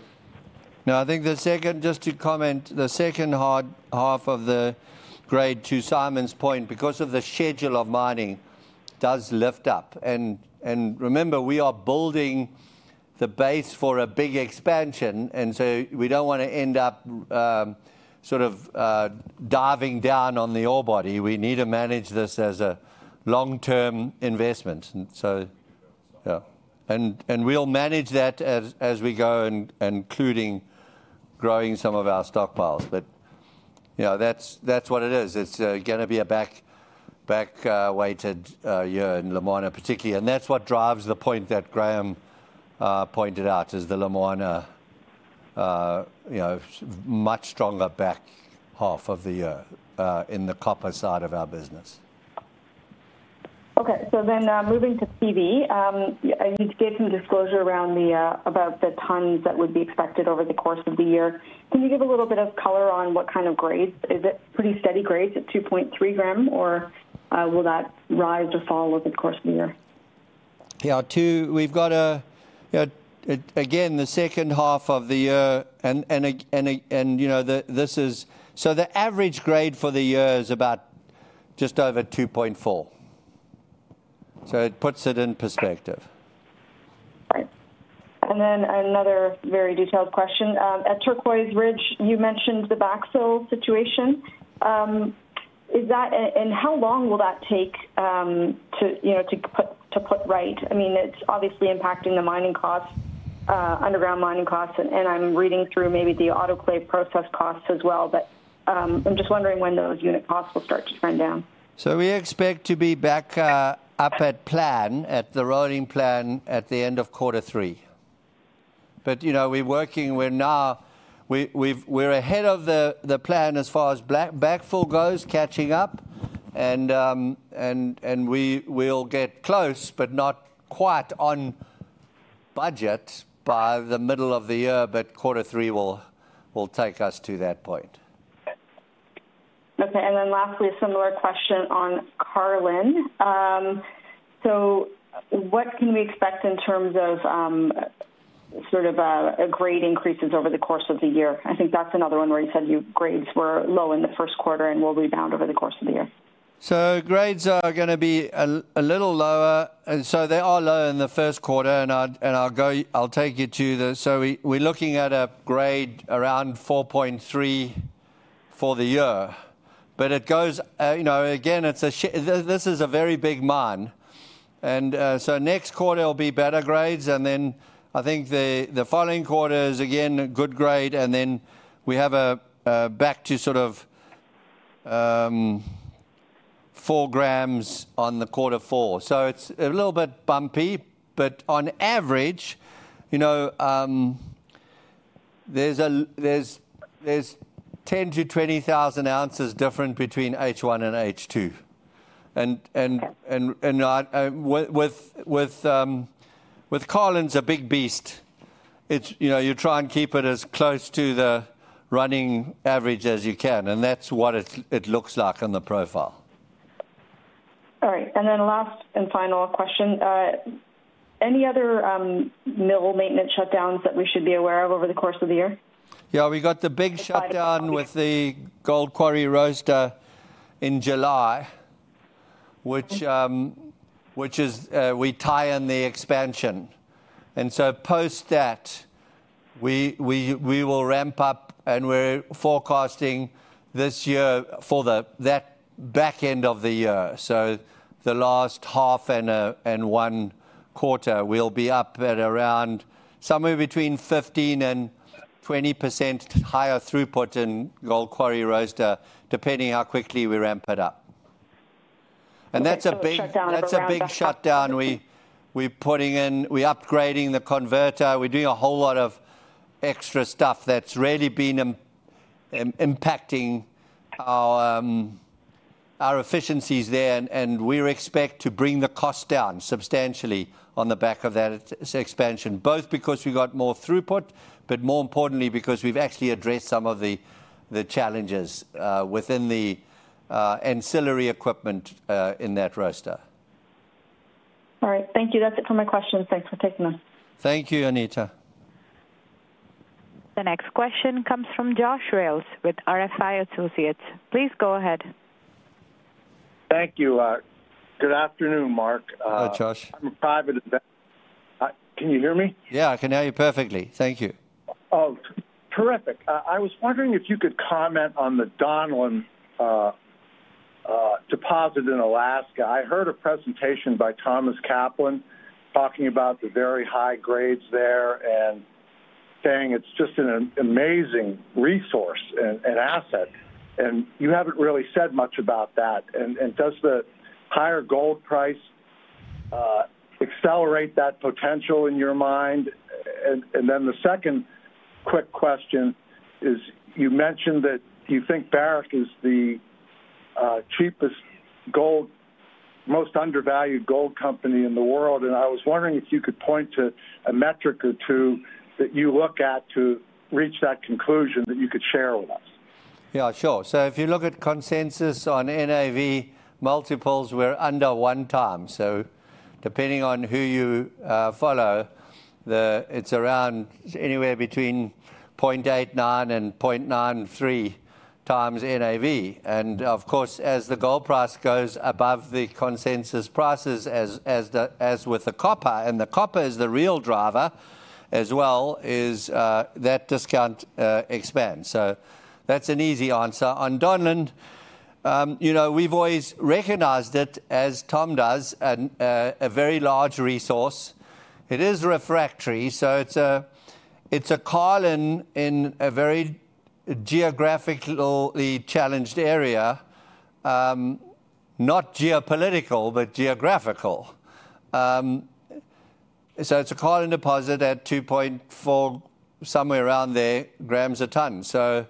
No, I think the second, just to comment, the second half of the grade, to Simon's point, because of the schedule of mining, does lift up. And remember, we are building the base for a big expansion, and so we don't wanna end up, sort of, diving down on the ore body. We need to manage this as a long-term investment. And so, yeah. And we'll manage that as we go, including growing some of our stockpiles. But, you know, that's, that's what it is. It's gonna be a back, back weighted year in Lumwana particularly. And that's what drives the point that Graham pointed out, is the Lumwana, you know, much stronger back half of the year, in the copper side of our business. Okay, so then, moving to PV, you gave some disclosure around about the tons that would be expected over the course of the year. Can you give a little bit of color on what kind of grades? Is it pretty steady grades at 2.3 gram, or will that rise or fall over the course of the year? Yeah, 2, we've got, again, the second half of the year, and it, you know, this is. So the average grade for the year is about just over 2.4. So it puts it in perspective. Right. And then another very detailed question. At Turquoise Ridge, you mentioned the backfill situation. Is that... and how long will that take, to, you know, to put, to put right? I mean, it's obviously impacting the mining costs, underground mining costs, and, and I'm reading through maybe the autoclave process costs as well. But, I'm just wondering when those unit costs will start to trend down. So we expect to be back up at plan, at the rolling plan, at the end of quarter three. But, you know, we're working now. We're ahead of the plan as far as backfill goes, catching up, and we will get close, but not quite on budget by the middle of the year, but quarter three will take us to that point. Okay. Then lastly, a similar question on Carlin. What can we expect in terms of, sort of, grade increases over the course of the year? I think that's another one where you said your grades were low in the first quarter and will rebound over the course of the year. So grades are gonna be a little lower, and so they are lower in the first quarter, and I'll take you to the... So we're looking at a grade around 4.3 for the year. But it goes, you know, again, it's this, this is a very big mine. And so next quarter will be better grades, and then I think the following quarter is, again, a good grade, and then we have a back to sort of four grams on the quarter four. So it's a little bit bumpy, but on average, you know, there's ten to twenty thousand ounces different between H1 and H2. And I, with Carlin's a big beast, it's, you know, you try and keep it as close to the running average as you can, and that's what it looks like on the profile. All right. Then last and final question. Any other mill maintenance shutdowns that we should be aware of over the course of the year? Yeah, we got the big shutdown with the Gold Quarry roaster in July, which is we tie in the expansion. And so post that, we will ramp up, and we're forecasting this year for that back end of the year. So the last half and one quarter, we'll be up at around somewhere between 15%-20% higher throughput in Gold Quarry roaster, depending how quickly we ramp it up. And that's a big shutdown we're putting in. We're upgrading the converter. We're doing a whole lot of extra stuff that's really been impacting our efficiencies there. We expect to bring the cost down substantially on the back of that expansion, both because we got more throughput, but more importantly, because we've actually addressed some of the challenges within the ancillary equipment in that roaster. All right. Thank you. That's it for my questions. Thanks for taking them. Thank you, Anita. The next question comes from Josh Rales with RFI Associates. Please go ahead. Thank you. Good afternoon, Mark, Hi, Josh. I'm private ad... Can you hear me? Yeah, I can hear you perfectly. Thank you. Oh, terrific. I was wondering if you could comment on the Donlin deposit in Alaska. I heard a presentation by Thomas Kaplan, talking about the very high grades there and saying it's just an amazing resource and asset, and you haven't really said much about that. And does the higher gold price accelerate that potential in your mind? And then the second quick question is, you mentioned that you think Barrick is the cheapest gold, most undervalued gold company in the world, and I was wondering if you could point to a metric or two that you look at to reach that conclusion that you could share with us? Yeah, sure. So if you look at consensus on NAV multiples, we're under 1x. So depending on who you follow, it's around anywhere between 0.89x and 0.93x NAV. And of course, as the gold price goes above the consensus prices, as with the copper, and the copper is the real driver as well, that discount expands. So that's an easy answer. On Donlin, you know, we've always recognized it, as Tom does, a very large resource. It is refractory, so it's a Donlin in a very geographically challenged area. Not geopolitical, but geographical. So it's a Donlin deposit at 2.4, somewhere around there, grams a ton. So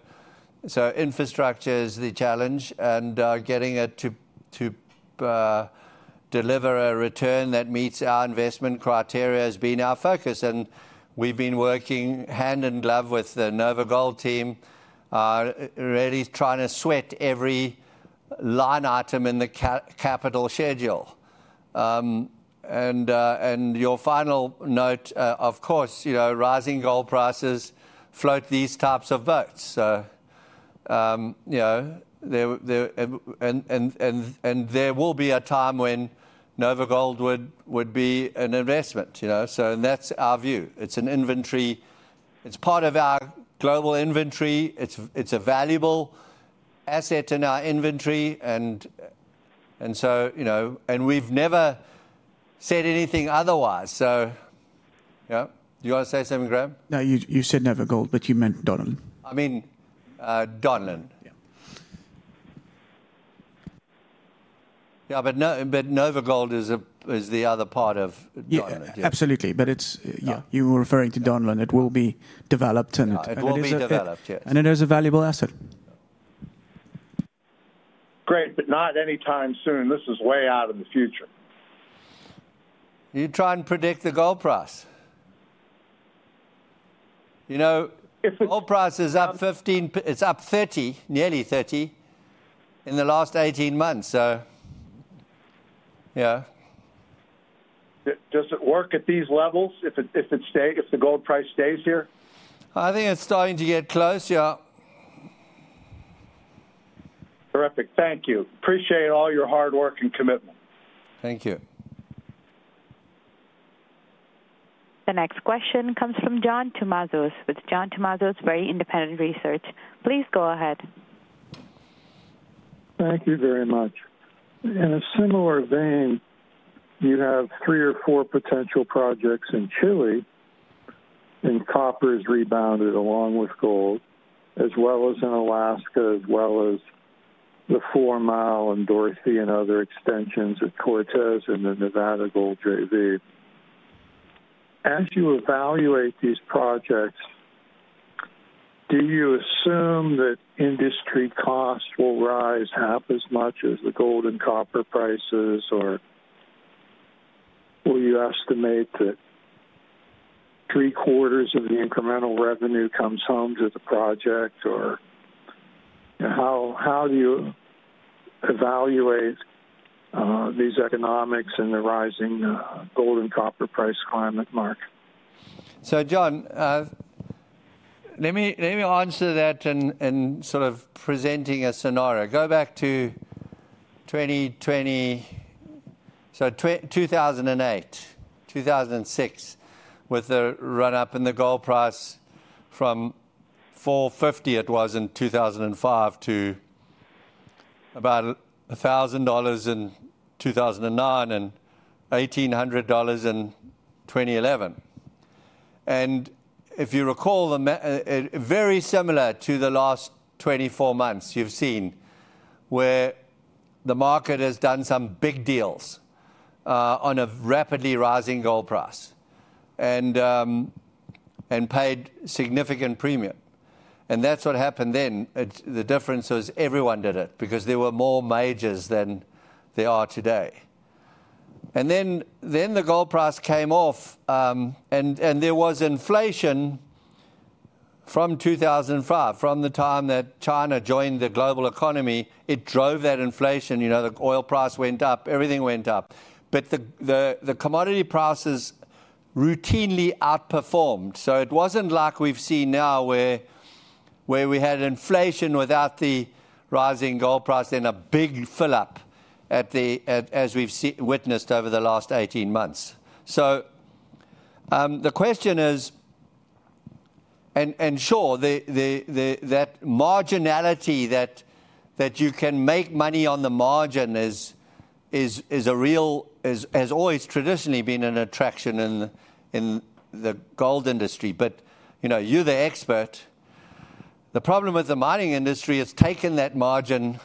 infrastructure is the challenge, and getting it to deliver a return that meets our investment criteria has been our focus. And we've been working hand in glove with the NOVAGOLD team, really trying to sweat every line item in the capital schedule. And your final note, of course, you know, rising gold prices float these types of boats. So, you know, there will be a time when NOVAGOLD would be an investment, you know? So and that's our view. It's an inventory. It's part of our global inventory. It's a valuable asset in our inventory, and so, you know. And we've never said anything otherwise. So, yeah. Do you wanna say something, Graham? No, you said NOVAGOLD, but you meant Donlin. I mean, Donlin. Yeah. Yeah, but no, but NOVAGOLD is a, is the other part of Donlin. Yeah, absolutely. But it's- Yeah. You were referring to Donlin. It will be developed and it- It will be developed, yes. It is a valuable asset. Great, but not anytime soon. This is way out in the future. You try and predict the gold price. You know- If it-... gold price is up 15%, it's up 30%, nearly 30%, in the last 18 months, so yeah. Does it work at these levels, if the gold price stays here? I think it's starting to get close, yeah. Terrific. Thank you. Appreciate all your hard work and commitment. Thank you. The next question comes from John Tumazos with John Tumazos Very Independent Research. Please go ahead. Thank you very much. In a similar vein, you have three or four potential projects in Chile, and copper has rebounded along with gold, as well as in Alaska, as well as the Fourmile and Dorothy and other extensions at Cortez and the Nevada Gold JV. As you evaluate these projects, do you assume that industry costs will rise half as much as the gold and copper prices, or will you estimate that three-quarters of the incremental revenue comes home to the project, or how, how do you evaluate these economics and the rising gold and copper price climate, Mark? So, John, let me, let me answer that in sort of presenting a scenario. Go back to 2020, so 2008, 2006, with the run-up in the gold price from $450, it was in 2005, to about $1,000 in 2009 and $1,800 in 2011. And if you recall, very similar to the last 24 months, you've seen where the market has done some big deals, on a rapidly rising gold price and paid significant premium. And that's what happened then. The difference was everyone did it, because there were more majors than there are today. And then the gold price came off, and there was inflation from 2005. From the time that China joined the global economy, it drove that inflation. You know, the oil price went up, everything went up. But the commodity prices routinely outperformed. So it wasn't like we've seen now, where we had inflation without the rising gold price and a big fill up at the—as we've witnessed over the last 18 months. So the question is... And sure, that marginality that you can make money on the margin is a real, has always traditionally been an attraction in the gold industry. But you know, you're the expert. The problem with the mining industry, it's taken that margin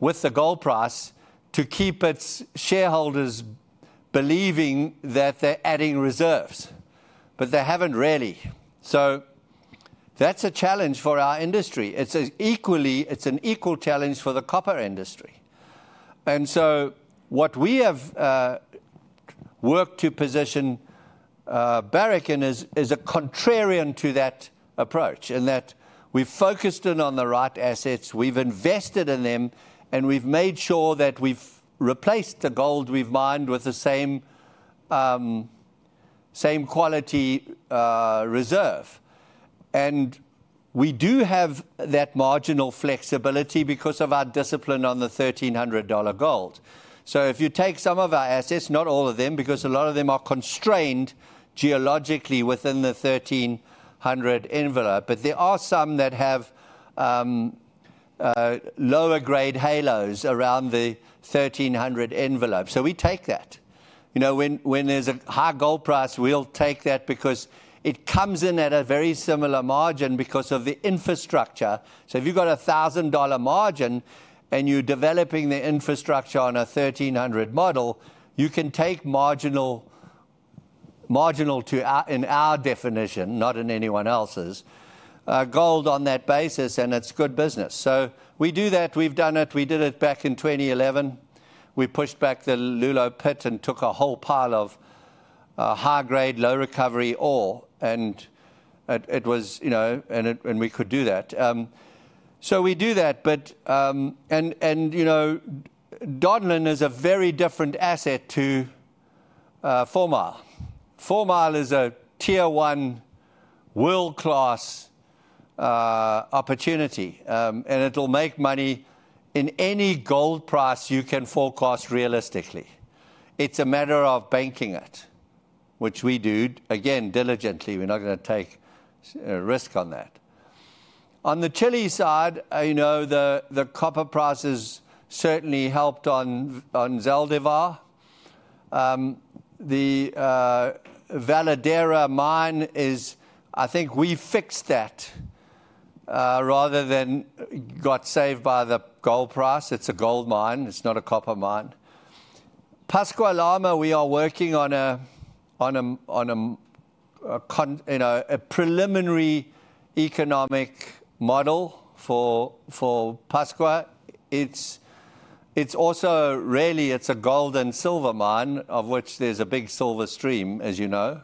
with the gold price to keep its shareholders believing that they're adding reserves, but they haven't really. So that's a challenge for our industry. It's as equally, it's an equal challenge for the copper industry. And so what we have worked to position Barrick in is, is a contrarian to that approach, in that we've focused in on the right assets, we've invested in them, and we've made sure that we've replaced the gold we've mined with the same, same quality, reserve. And we do have that marginal flexibility because of our discipline on the $1,300 gold. So if you take some of our assets, not all of them, because a lot of them are constrained geologically within the 1,300 envelope, but there are some that have lower grade halos around the 1,300 envelope. So we take that. You know, when, when there's a high gold price, we'll take that because it comes in at a very similar margin because of the infrastructure. So if you've got a $1,000 margin and you're developing the infrastructure on a 1,300 model, you can take marginal—marginal to our definition, not in anyone else's—gold on that basis, and it's good business. So we do that. We've done it. We did it back in 2011. We pushed back the Loulo pit and took a whole pile of high-grade, low-recovery ore, and it was. You know, and we could do that. So we do that, but. And you know, Donlin is a very different asset to Fourmile. Fourmile is a Tier One, world-class opportunity. And it'll make money in any gold price you can forecast realistically. It's a matter of banking it, which we do, again, diligently. We're not gonna take risk on that. On the Chile side, you know, the copper prices certainly helped on Zaldívar. The Veladero mine is, I think we fixed that rather than got saved by the gold price. It's a gold mine, it's not a copper mine. Pascua-Lama, we are working on you know, a preliminary economic model for Pascua. It's also really a gold and silver mine, of which there's a big silver stream, as you know.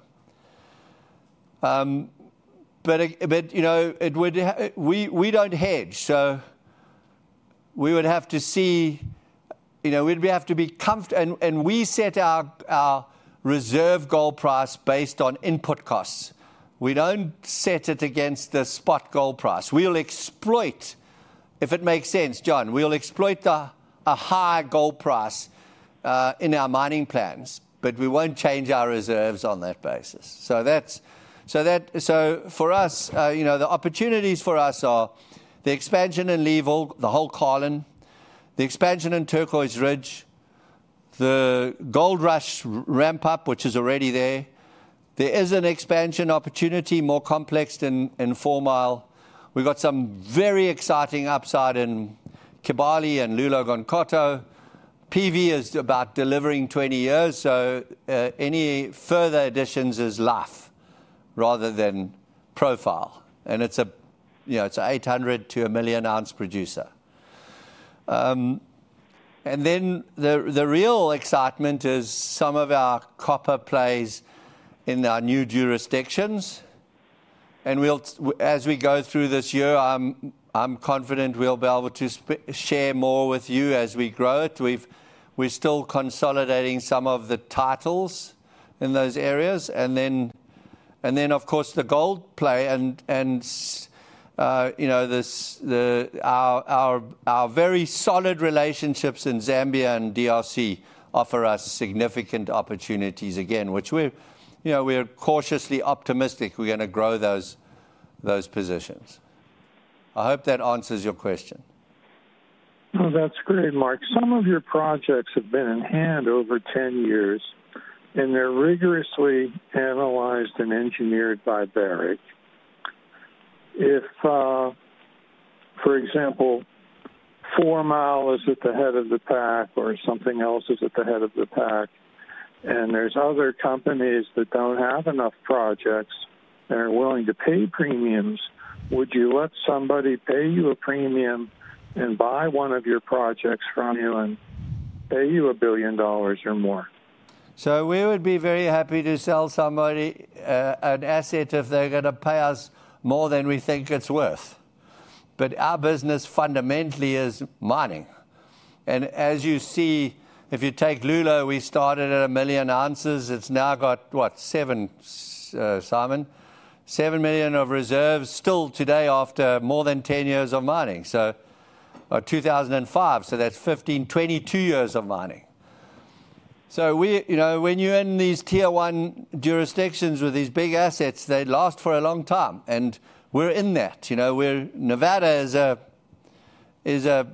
But it, you know, it would. We don't hedge, so we would have to see. You know, we'd have to be. And we set our reserve gold price based on input costs. We don't set it against the spot gold price. We'll exploit, if it makes sense, John, a high gold price in our mining plans, but we won't change our reserves on that basis. So for us, you know, the opportunities for us are the expansion in Leeville, the whole Carlin, the expansion in Turquoise Ridge, the Goldrush ramp-up, which is already there. There is an expansion opportunity more complex than in Fourmile. We've got some very exciting upside in Kibali and Loulo-Gounkoto. PV is about delivering 20 years, so any further additions is life rather than profile, and it's a, you know, it's a 800- to 1 million-ounce producer. And then the real excitement is some of our copper plays in our new jurisdictions. As we go through this year, I'm confident we'll be able to share more with you as we grow it. We're still consolidating some of the titles in those areas. And then, of course, the gold play and you know our very solid relationships in Zambia and DRC offer us significant opportunities again, which we're, you know, we're cautiously optimistic we're gonna grow those positions. I hope that answers your question. Oh, that's great, Mark. Some of your projects have been in hand over 10 years, and they're rigorously analyzed and engineered by Barrick. If, for example, Fourmile is at the head of the pack or something else is at the head of the pack, and there's other companies that don't have enough projects and are willing to pay premiums, would you let somebody pay you a premium and buy one of your projects from you, and pay you $1 billion or more? So we would be very happy to sell somebody, an asset if they're gonna pay us more than we think it's worth. But our business fundamentally is mining. And as you see, if you take Loulo, we started at 1 million ounces, it's now got what? 7, Simon, 7 million of reserves still today after more than 10 years of mining, so, 2005, so that's 15-22 years of mining. So we, you know, when you're in these Tier One jurisdictions with these big assets, they last for a long time, and we're in that. You know, we're, Nevada is a, is a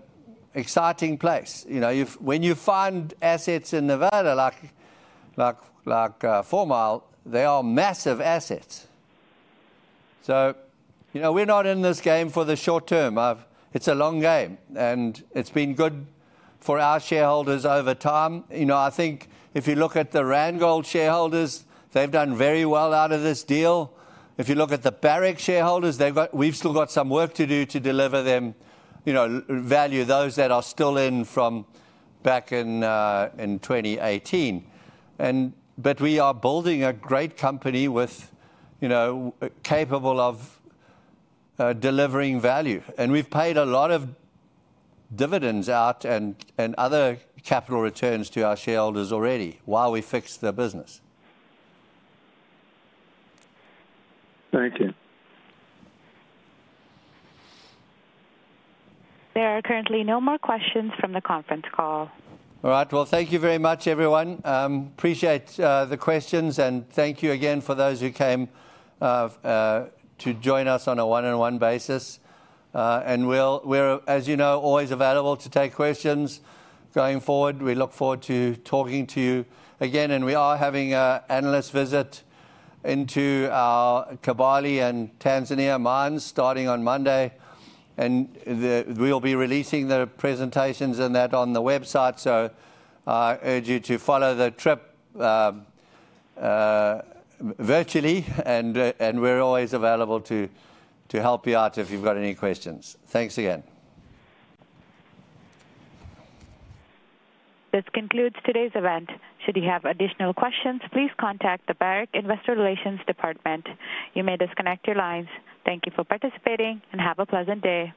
exciting place. You know, if, when you find assets in Nevada, like, like, like, Fourmile, they are massive assets. So, you know, we're not in this game for the short term. It's a long game, and it's been good for our shareholders over time. You know, I think if you look at the Randgold shareholders, they've done very well out of this deal. If you look at the Barrick shareholders, they've got-- we've still got some work to do to deliver them, you know, value, those that are still in from back in in 2018. And but we are building a great company with, you know, capable of delivering value. And we've paid a lot of dividends out and, and other capital returns to our shareholders already while we fixed the business. Thank you. There are currently no more questions from the conference call. All right. Well, thank you very much, everyone. Appreciate the questions, and thank you again for those who came to join us on a one-on-one basis. And we're, as you know, always available to take questions going forward. We look forward to talking to you again, and we are having an analyst visit into our Kibali and Tanzania mines starting on Monday. We'll be releasing the presentations and that on the website, so I urge you to follow the trip virtually, and we're always available to help you out if you've got any questions. Thanks again. This concludes today's event. Should you have additional questions, please contact the Barrick Investor Relations Department. You may disconnect your lines. Thank you for participating, and have a pleasant day.